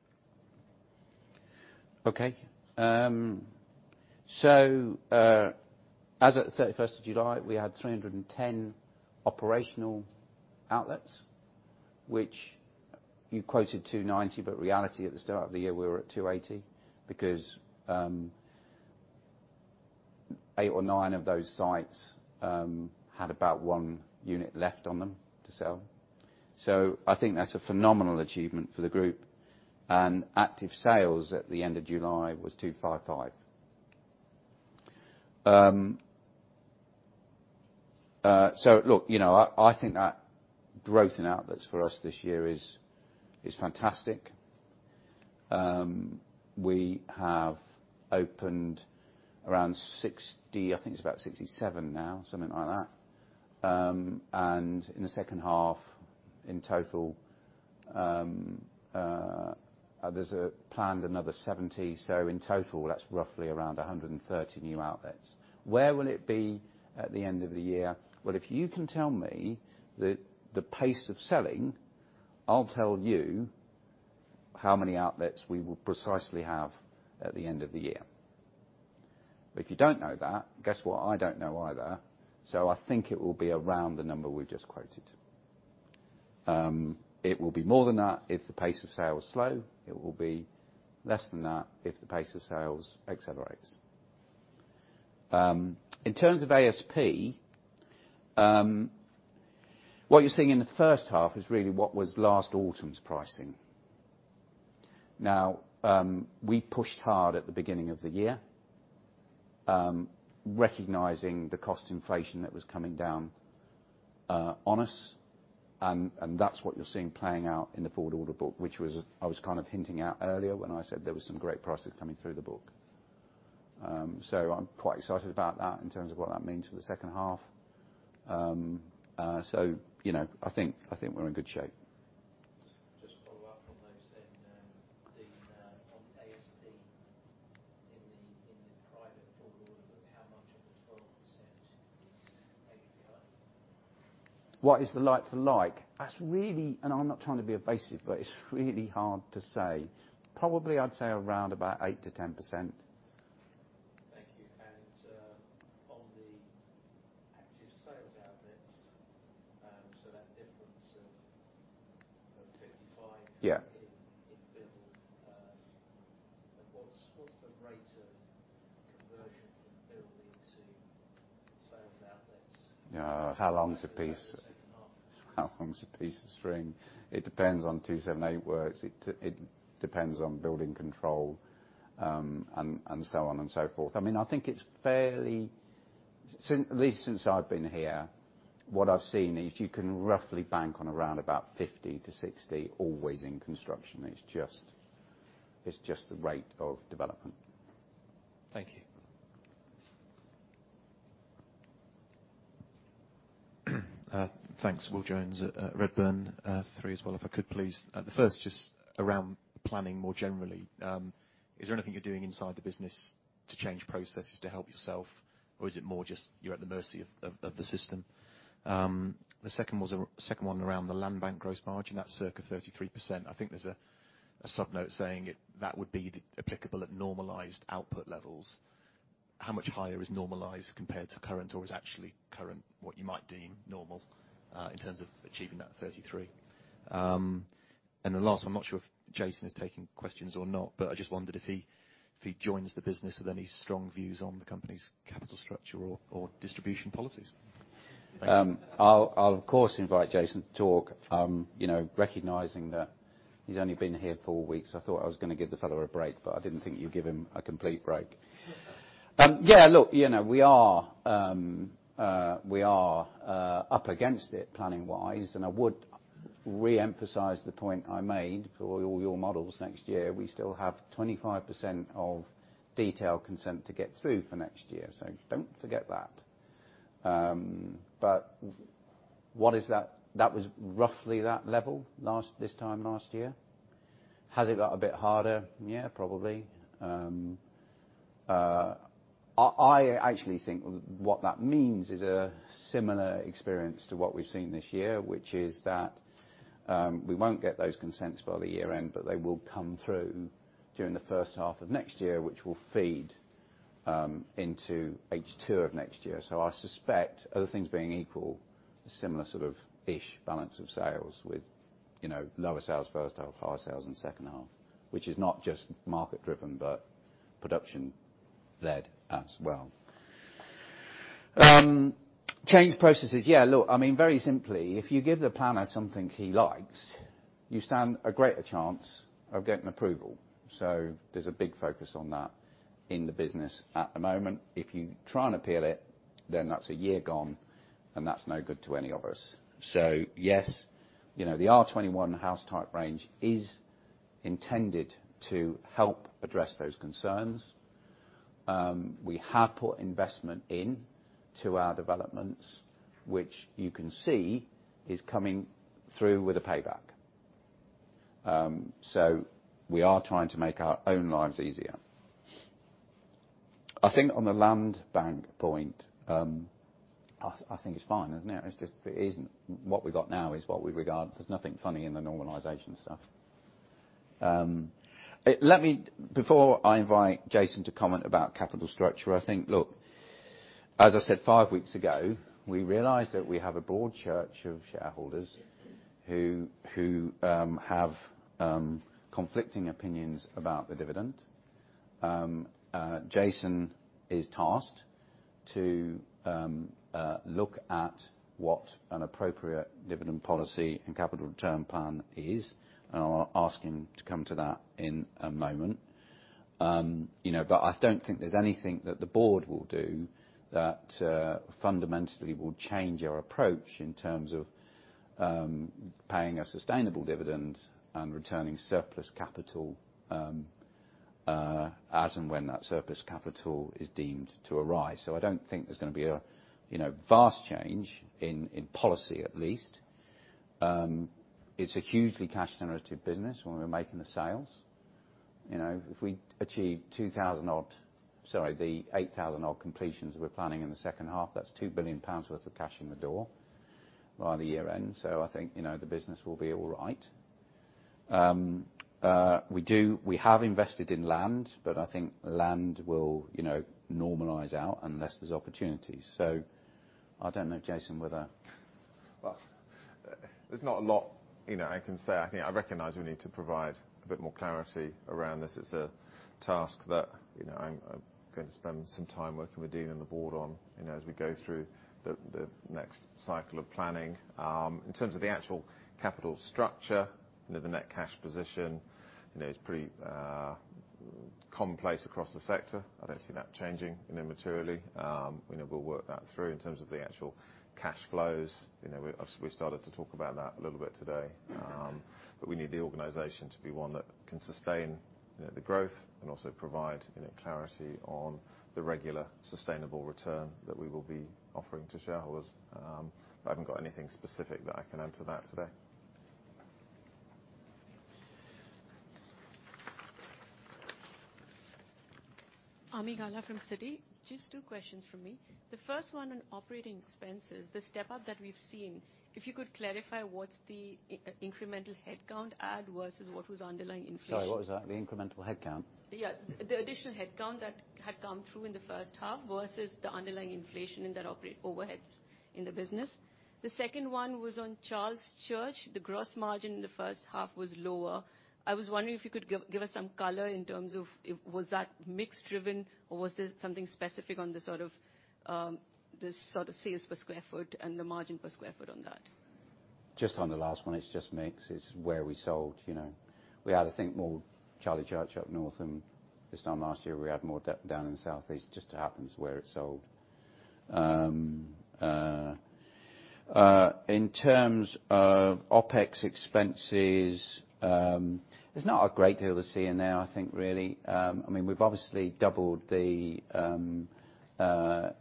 Okay. As at the 31st of July, we had 310 operational outlets, which you quoted 290, but in reality, at the start of the year, we were at 280 because eight or nine of those sites had about one unit left on them to sell. I think that's a phenomenal achievement for the group. Active sales at the end of July was 255. Look, you know, I think that growth in outlets for us this year is fantastic. We have opened around 60, I think it's about 67 now, something like that. In the second half, in total, there's planned another 70. In total, that's roughly around 130 new outlets. Where will it be at the end of the year? Well, if you can tell me the pace of selling, I'll tell you how many outlets we will precisely have at the end of the year. If you don't know that, guess what? I don't know either. I think it will be around the number we just quoted. It will be more than that if the pace of sale is slow. It will be less than that if the pace of sales accelerates. In terms of ASP, what you're seeing in the first half is really what was last autumn's pricing. Now, we pushed hard at the beginning of the year, recognizing the cost inflation that was coming down on us, and that's what you're seeing playing out in the forward order book, which was, I was kind of hinting at earlier when I said there was some great prices coming through the book. I'm quite excited about that in terms of what that means for the second half. You know, I think we're in good shape. Just to follow up on what you said, on ASP, in the private forward order book how much of the 12% is like for like? What is the like for like? That's really, and I'm not trying to be evasive, but it's really hard to say. Probably I'd say around about 8%-10%. Thank you. On the active sales outlets, so that difference of 55 Yeah In build, what's the rate of conversion from build into sales outlets? Yeah. How long's a piece- Over the second half of the financial year. How long's a piece of string? It depends on Section 278 works. It depends on building control, and so on and so forth. I mean, I think it's fairly. Since, at least since I've been here, what I've seen is you can roughly bank on around about 50-60 always in construction. It's just the rate of development. Thank you. Thanks. Will Jones at Redburn. Three as well if I could please. The first just around planning more generally. Is there anything you're doing inside the business to change processes to help yourself, or is it more just you're at the mercy of the system? The second was, second one around the landbank gross margin, that's circa 33%. I think there's a sub-note saying it that would be applicable at normalized output levels. How much higher is normalized compared to current or is actually current what you might deem normal in terms of achieving that 33%? And the last one, I'm not sure if Jason is taking questions or not, but I just wondered if he joins the business, have any strong views on the company's capital structure or distribution policies. I'll of course invite Jason to talk, you know, recognizing that he's only been here four weeks. I thought I was gonna give the fellow a break, but I didn't think you'd give him a complete break. Yeah, look, you know, we are up against it planning-wise, and I would re-emphasize the point I made for all your models next year. We still have 25% of detailed consent to get through for next year, so don't forget that. But what is that? That was roughly that level last, this time last year. Has it got a bit harder? Yeah, probably. I actually think what that means is a similar experience to what we've seen this year, which is that we won't get those consents by the year end, but they will come through during the first half of next year, which will feed into H2 of next year. I suspect other things being equal, a similar sort of ish balance of sales with, you know, lower sales first half, higher sales in the second half, which is not just market driven, but production led as well. Change processes. Yeah, look, I mean, very simply, if you give the planner something he likes, you stand a greater chance of getting approval. There's a big focus on that in the business at the moment. If you try and appeal it, then that's a year gone, and that's no good to any of us. Yes, you know, the R21 house type range is intended to help address those concerns. We have put investment into our developments, which you can see is coming through with a payback. We are trying to make our own lives easier. I think on the land bank point, I think it's fine, isn't it? It's just it isn't. What we've got now is what we regard. There's nothing funny in the normalization stuff. Before I invite Jason to comment about capital structure, I think, look, as I said five weeks ago, we realized that we have a broad church of shareholders who have conflicting opinions about the dividend. Jason is tasked to look at what an appropriate dividend policy and capital return plan is. I'll ask him to come to that in a moment. You know, but I don't think there's anything that the board will do that fundamentally will change our approach in terms of paying a sustainable dividend and returning surplus capital as and when that surplus capital is deemed to arise. I don't think there's gonna be a you know, vast change in policy at least. It's a hugely cash generative business when we're making the sales. You know, if we achieve the 8,000-odd completions we're planning in the second half, that's 2 billion pounds worth of cash in the door by the year end. I think you know, the business will be all right. We have invested in land, but I think land will, you know, normalize out unless there's opportunities. I don't know, Jason, whether. Well, there's not a lot, you know, I can say. I think I recognize we need to provide a bit more clarity around this. It's a task that, you know, I'm going to spend some time working with Ian and the board on, you know, as we go through the next cycle of planning. In terms of the actual capital structure, you know, the net cash position, you know, is pretty commonplace across the sector. I don't see that changing, you know, materially. You know, we'll work that through. In terms of the actual cash flows, you know, we obviously started to talk about that a little bit today. But we need the organization to be one that can sustain, you know, the growth and also provide, you know, clarity on the regular sustainable return that we will be offering to shareholders. I haven't got anything specific that I can add to that today. Ami Galla from Citi. Just two questions from me. The first one on operating expenses, the step-up that we've seen, if you could clarify what's the incremental headcount add versus what was underlying inflation? Sorry, what was that? The incremental headcount? Yeah. The additional headcount that had come through in the first half versus the underlying inflation in that overheads in the business. The second one was on Charles Church. The gross margin in the first half was lower. I was wondering if you could give us some color in terms of was that mix driven or was there something specific on the sort of sales per square foot and the margin per square foot on that? Just on the last one, it's just mix. It's where we sold. You know, we had I think more Charles Church up north than this time last year. We had more down in the southeast. Just happens where it's sold. In terms of OpEx expenses, there's not a great deal to see in there, I think really. I mean we've obviously doubled the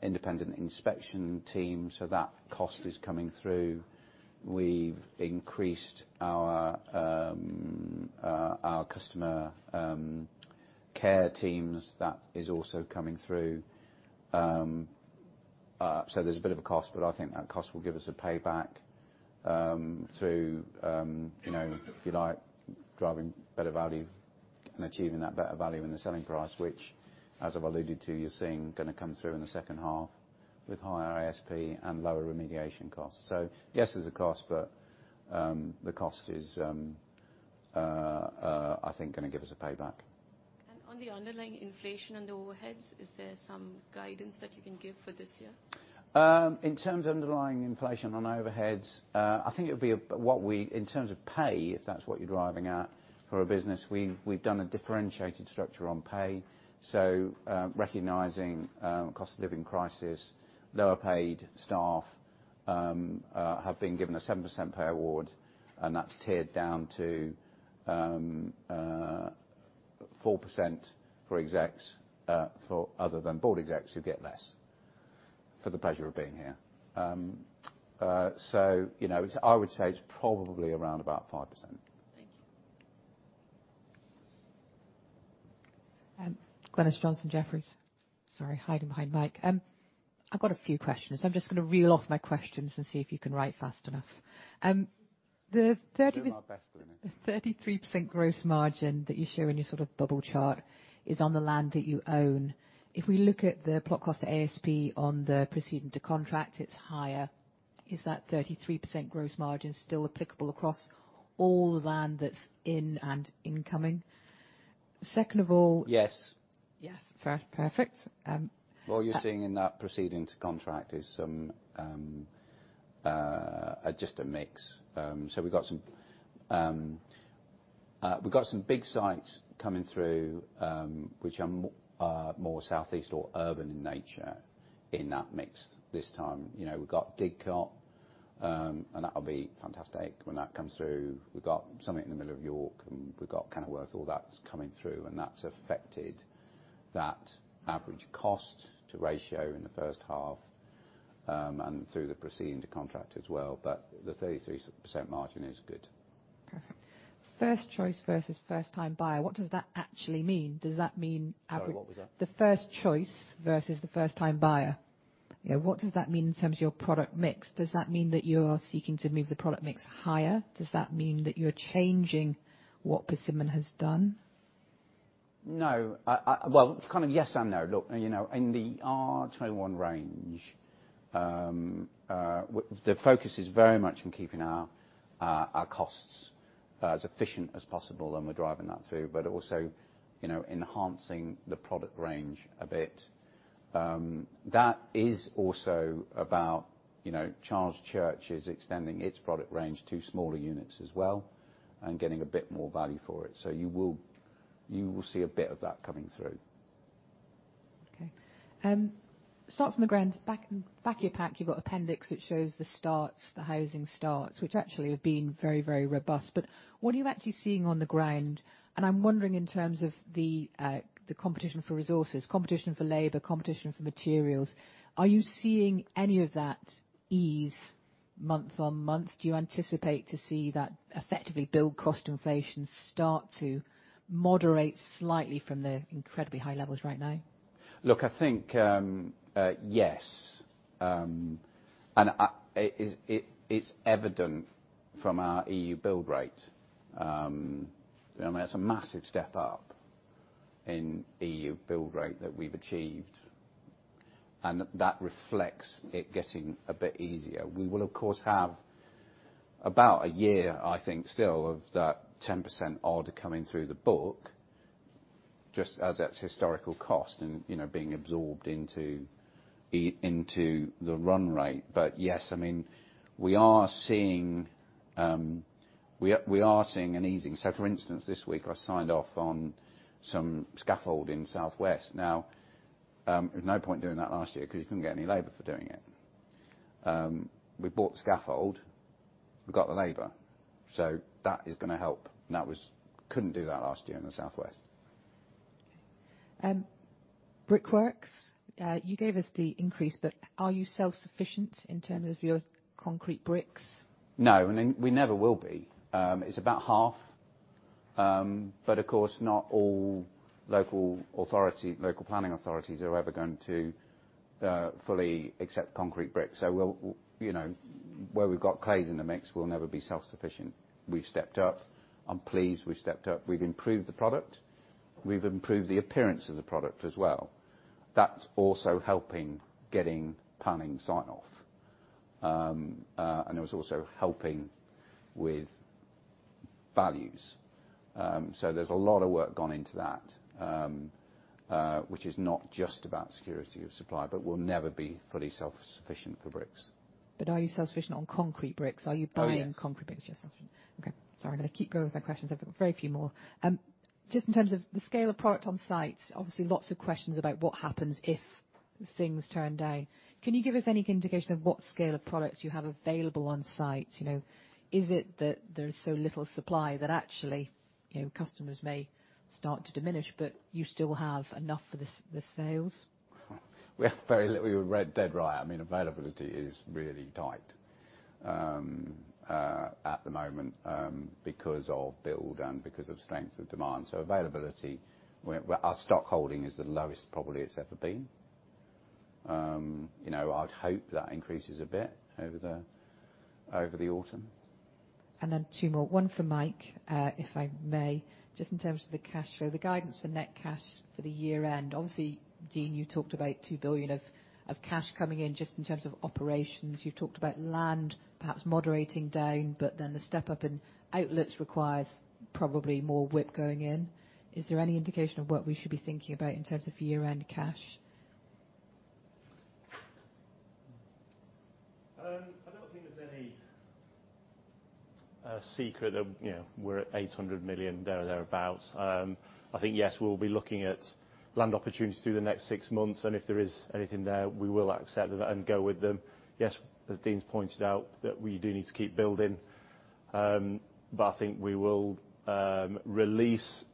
independent inspection team, so that cost is coming through. We've increased our customer care teams. That is also coming through. There's a bit of a cost, but I think that cost will give us a payback to you know, if you like, driving better value and achieving that better value in the selling price, which as I've alluded to, you're seeing gonna come through in the second half with higher ASP and lower remediation costs. Yes, there's a cost, but the cost is I think gonna give us a payback. On the underlying inflation on the overheads, is there some guidance that you can give for this year? In terms of underlying inflation on overheads, I think it would be in terms of pay, if that's what you're driving at, for a business, we've done a differentiated structure on pay. Recognizing cost of living crisis, lower paid staff have been given a 7% pay award, and that's tiered down to 4% for execs, other than board execs who get less for the pleasure of being here. You know, I would say it's probably around about 5%. Thank you. Glynis Johnson, Jefferies. Sorry, hiding behind Mike. I've got a few questions. I'm just gonna reel off my questions and see if you can write fast enough. The 30- Do my best, Glynis. The 33% gross margin that you show in your sort of bubble chart is on the land that you own. If we look at the plot cost ASP on the proceeding to contract, it's higher. Is that 33% gross margin still applicable across all the land that's in and incoming? Second of all. Yes. Yes. Perfect. All you're seeing in that proceeding to contract is some just a mix. We've got some big sites coming through, which are more Southeast or urban in nature in that mix this time. You know, we've got Didcot, and that'll be fantastic when that comes through. We've got something in the middle of York, and we've got Kenilworth, all that's coming through, and that's affected that average cost to ratio in the first half, and through the proceeding to contract as well. The 33% margin is good. Perfect. First choice versus first time buyer, what does that actually mean? Does that mean Sorry, what was that? The first choice versus the first time buyer. Yeah, what does that mean in terms of your product mix? Does that mean that you're seeking to move the product mix higher? Does that mean that you're changing what Persimmon has done? No. Well, kind of yes and no. Look, you know, in the R21 range, the focus is very much in keeping our costs as efficient as possible, and we're driving that through. Also, you know, enhancing the product range a bit. That is also about, you know, Charles Church is extending its product range to smaller units as well and getting a bit more value for it. You will see a bit of that coming through. Okay. Starts on the ground. Back of your pack, you've got appendix that shows the starts, the housing starts, which actually have been very robust. What are you actually seeing on the ground? I'm wondering, in terms of the competition for resources, competition for labor, competition for materials, are you seeing any of that ease month-on-month? Do you anticipate to see that effectively build cost inflation start to moderate slightly from the incredibly high levels right now? Look, I think, yes. It's evident from our EU build rate. You know what I mean? It's a massive step up in EU build rate that we've achieved, and that reflects it getting a bit easier. We will, of course, have about a year, I think, still, of that 10% odd coming through the book, just as that's historical cost and, you know, being absorbed into the run rate. Yes, I mean, we are seeing an easing. For instance, this week I signed off on some scaffold in Southwest. Now, there was no point doing that last year because you couldn't get any labor for doing it. We bought scaffold, we got the labor, so that is gonna help. That was. Couldn't do that last year in the Southwest. Okay. Brickworks. You gave us the increase, but are you self-sufficient in terms of your concrete bricks? No, we never will be. It's about half. Of course, not all local authority, local planning authorities are ever going to fully accept concrete bricks. We'll, you know, where we've got clays in the mix, we'll never be self-sufficient. We've stepped up. I'm pleased we've stepped up. We've improved the product. We've improved the appearance of the product as well. That's also helping getting planning sign-off, and it was also helping with values. There's a lot of work gone into that, which is not just about security of supply, but we'll never be fully self-sufficient for bricks. Are you self-sufficient on concrete bricks? Are you buying- Oh, yes. Concrete bricks? You're self-sufficient. Okay. Sorry, I'm gonna keep going with my questions. I've got very few more. Just in terms of the scale of product on site, obviously lots of questions about what happens if things turn down. Can you give us any indication of what scale of products you have available on site? You know, is it that there is so little supply that actually, you know, customers may start to diminish, but you still have enough for the sales? We have very little. You're dead right. I mean, availability is really tight at the moment because of build and because of strength of demand. Availability, Our stock holding is the lowest probably it's ever been. You know, I'd hope that increases a bit over the autumn. Two more. One for Mike, if I may. Just in terms of the cash flow, the guidance for net cash for the year-end. Obviously, Dean, you talked about 2 billion of cash coming in just in terms of operations. You talked about land perhaps moderating down, but then the step up in outlets requires probably more WIP going in. Is there any indication of what we should be thinking about in terms of year-end cash? I don't think there's any secret that, you know, we're at 800 million there or thereabouts. I think, yes, we'll be looking at land opportunities through the next six months, and if there is anything there, we will accept it and go with them. Yes, as Dean's pointed out, that we do need to keep building. I think we will release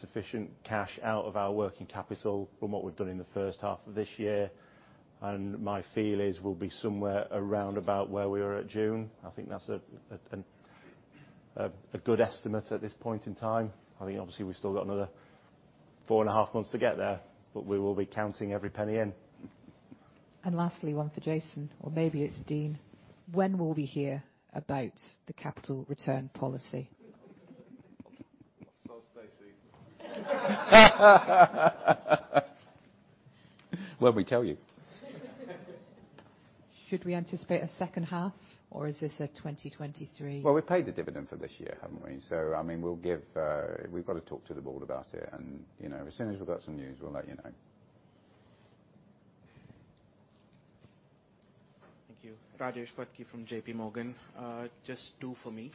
sufficient cash out of our working capital from what we've done in the first half of this year, and my feel is we'll be somewhere around about where we are at June. I think that's a good estimate at this point in time. I mean, obviously, we've still got another four and a half months to get there, but we will be counting every penny in. Lastly, one for Jason, or maybe it's Dean. When will we hear about the capital return policy? Is Stacey. Well, we tell you. Should we anticipate a second half, or is this a 2023? Well, we paid the dividend for this year, haven't we? I mean, we've got to talk to the board about it and, you know, as soon as we've got some news, we'll let you know. Thank you. Rajesh Patki from J.P. Morgan. Just two for me.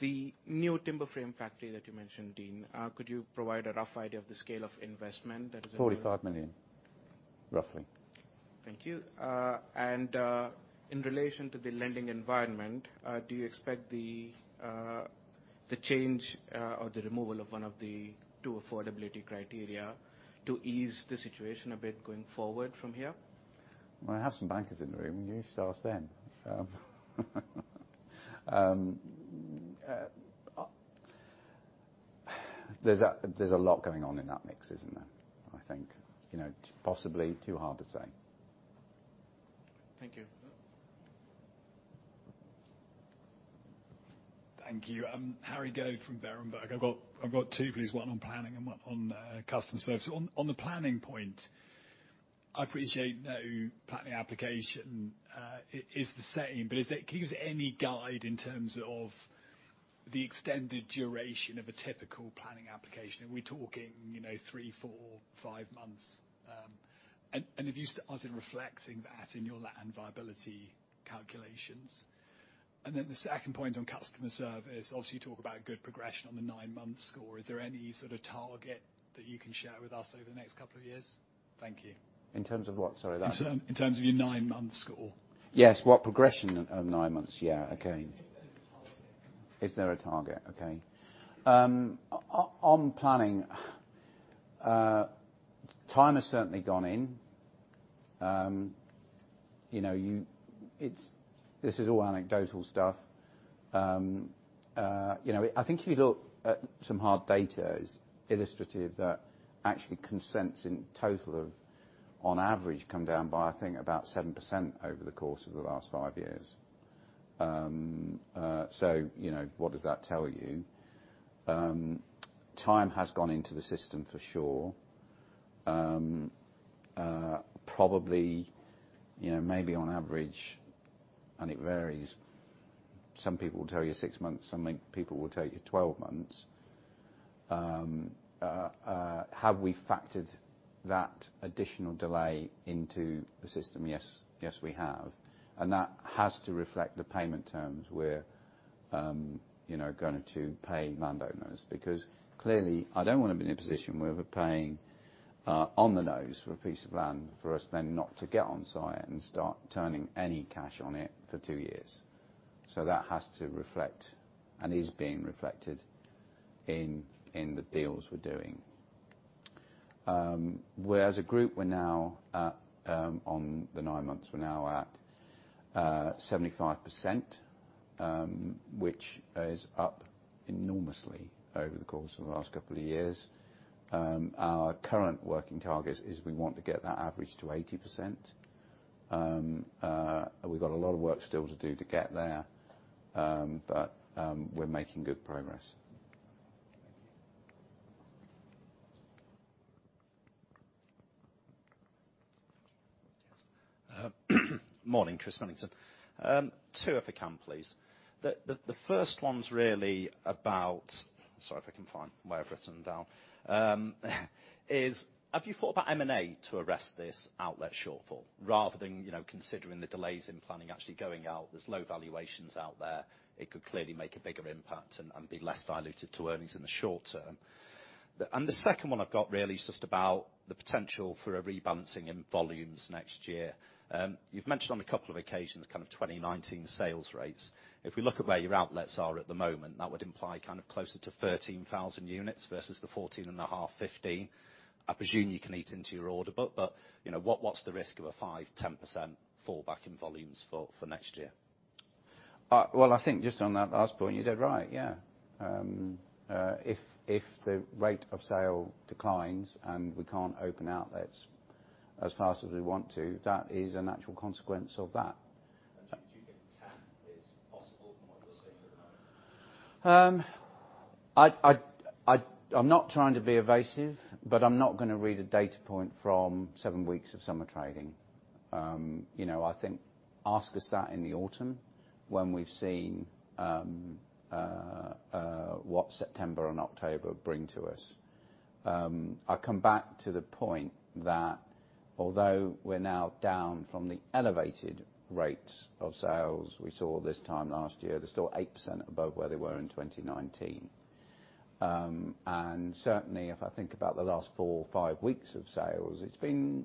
The new timber frame factory that you mentioned, Dean, could you provide a rough idea of the scale of investment that is involved? 45 million, roughly. Thank you. In relation to the lending environment, do you expect the change or the removal of one of the two affordability criteria to ease the situation a bit going forward from here? Well, I have some bankers in the room. You should ask them. There's a lot going on in that mix, isn't there? I think, you know, possibly too hard to say. Thank you. Thank you. I'm Harry Goad from Berenberg. I've got two, please, one on planning and one on customer service. On the planning point, I appreciate no planning application is the same, but can you give us any guide in terms of the extended duration of a typical planning application? Are we talking, you know, three, four, five months? And have you started reflecting that in your land viability calculations? Then the second point on customer service, obviously, you talk about good progression on the nine month score. Is there any sort of target that you can share with us over the next couple of years? Thank you. In terms of what? Sorry. In terms of your nine-month score. Yes. What progression of nine months? Yeah. Okay. Is there a target? Is there a target? Okay. On planning, time has certainly gone in. You know, this is all anecdotal stuff. You know, I think if you look at some hard data is illustrative that actually consents in total of on average come down by, I think, about 7% over the course of the last five years. You know, what does that tell you? Time has gone into the system for sure. Probably, you know, maybe on average, and it varies, some people will tell you six months, some people will tell you 12 months. Have we factored that additional delay into the system? Yes. Yes, we have. That has to reflect the payment terms we're you know going to pay landowners because clearly, I don't wanna be in a position where we're paying on the nose for a piece of land for us then not to get on site and start turning any cash on it for two years. That has to reflect and is being reflected in the deals we're doing. Where as a group, we're now at for the nine months, we're now at 75%, which is up enormously over the course of the last couple of years. Our current working target is we want to get that average to 80%. We've got a lot of work still to do to get there, but we're making good progress. Thank you. Yes. Morning. Chris Millington. Two if I can, please. The first one's really about. Sorry, if I can find where I've written them down. Have you thought about M&A to arrest this outlet shortfall rather than, you know, considering the delays in planning actually going out? There's low valuations out there. It could clearly make a bigger impact and be less dilutive to earnings in the short term. The second one I've got really is just about the potential for a rebalancing in volumes next year. You've mentioned on a couple of occasions kind of 2019 sales rates. If we look at where your outlets are at the moment, that would imply kind of closer to 13,000 units versus the 14,500, 15,000. I presume you can eat into your order book, but, you know, what's the risk of a 5%-10% fall back in volumes for next year? Well, I think just on that last point, you're dead right, yeah. If the rate of sale declines and we can't open outlets as fast as we want to, that is a natural consequence of that. Do you think 10 is possible from what you're seeing at the moment? I'm not trying to be evasive, but I'm not gonna read a data point from seven weeks of summer trading. You know, I think ask us that in the autumn when we've seen what September and October bring to us. I come back to the point that although we're now down from the elevated rates of sales we saw this time last year, they're still 8% above where they were in 2019. Certainly, if I think about the last four or five weeks of sales, it's been,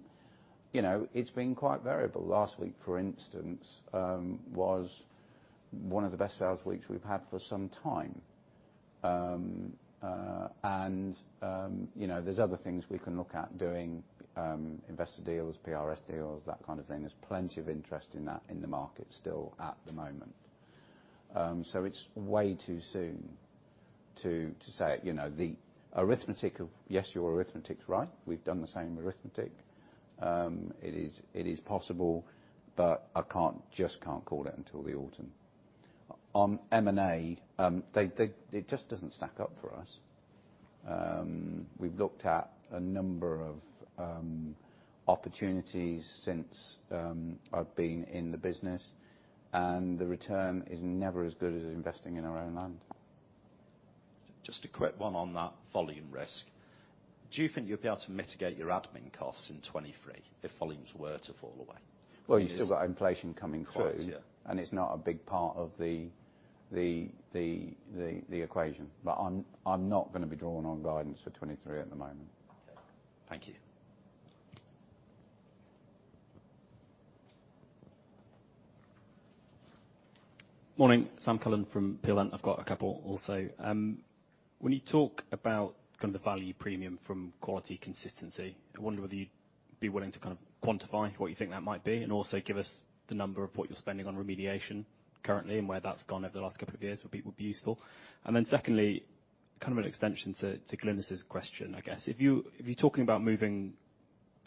you know, it's been quite variable. Last week, for instance, was one of the best sales weeks we've had for some time. You know, there's other things we can look at doing, investor deals, PRS deals, that kind of thing. There's plenty of interest in that in the market still at the moment. It's way too soon to say, you know, the arithmetic. Yes, your arithmetic's right. We've done the same arithmetic. It is possible, but I can't just call it until the autumn. On M&A, it just doesn't stack up for us. We've looked at a number of opportunities since I've been in the business, and the return is never as good as investing in our own land. Just a quick one on that volume risk. Do you think you'll be able to mitigate your admin costs in 2023 if volumes were to fall away? Well, you've still got inflation coming through. Right. Yeah It's not a big part of the equation. I'm not gonna be drawn on guidance for 2023 at the moment. Okay. Thank you. Morning. Sam Cullen from Peel Hunt. I've got a couple also. When you talk about kind of the value premium from quality consistency, I wonder whether you'd be willing to kind of quantify what you think that might be, and also give us the number of what you're spending on remediation currently, and where that's gone over the last couple of years, would be useful. Secondly, kind of an extension to Glynis's question, I guess. If you're talking about moving,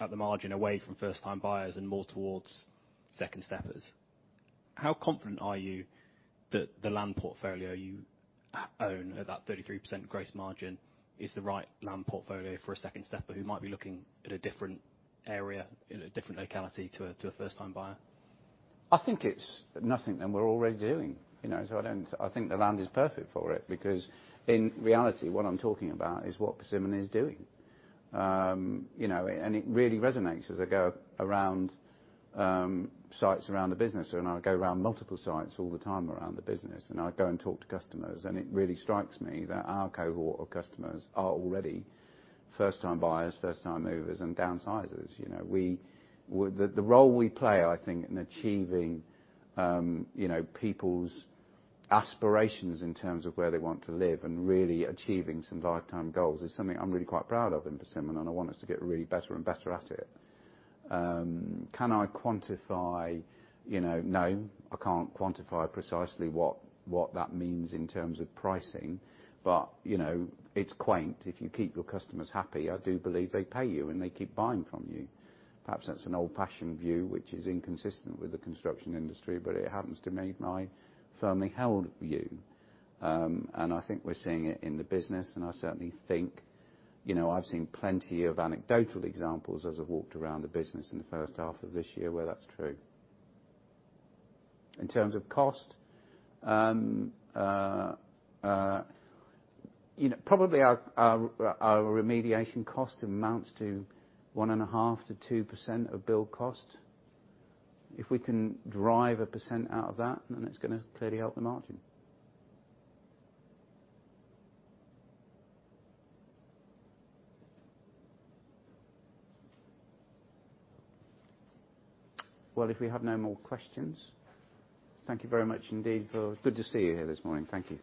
at the margin, away from first-time buyers and more towards second steppers, how confident are you that the land portfolio you own at that 33% gross margin is the right land portfolio for a second stepper who might be looking at a different area, in a different locality to a first-time buyer? I think it's nothing that we're already doing, you know? I think the land is perfect for it because in reality, what I'm talking about is what Persimmon is doing. You know, and it really resonates as I go around sites around the business, and I go around multiple sites all the time around the business, and I go and talk to customers, and it really strikes me that our cohort of customers are already first time buyers, first time movers, and downsizers. You know, the role we play, I think, in achieving, you know, people's aspirations in terms of where they want to live and really achieving some lifetime goals is something I'm really quite proud of in Persimmon, and I want us to get really better and better at it. Can I quantify? You know, no, I can't quantify precisely what that means in terms of pricing. You know, it's quaint. If you keep your customers happy, I do believe they pay you, and they keep buying from you. Perhaps that's an old-fashioned view which is inconsistent with the construction industry, but it happens to be my firmly held view. I think we're seeing it in the business, and I certainly think. You know, I've seen plenty of anecdotal examples as I've walked around the business in the first half of this year where that's true. In terms of cost, you know, probably our remediation cost amounts to 1.5%-2% of build cost. If we can drive 1% out of that, then it's gonna clearly help the margin. Well, if we have no more questions, thank you very much indeed. Good to see you here this morning. Thank you.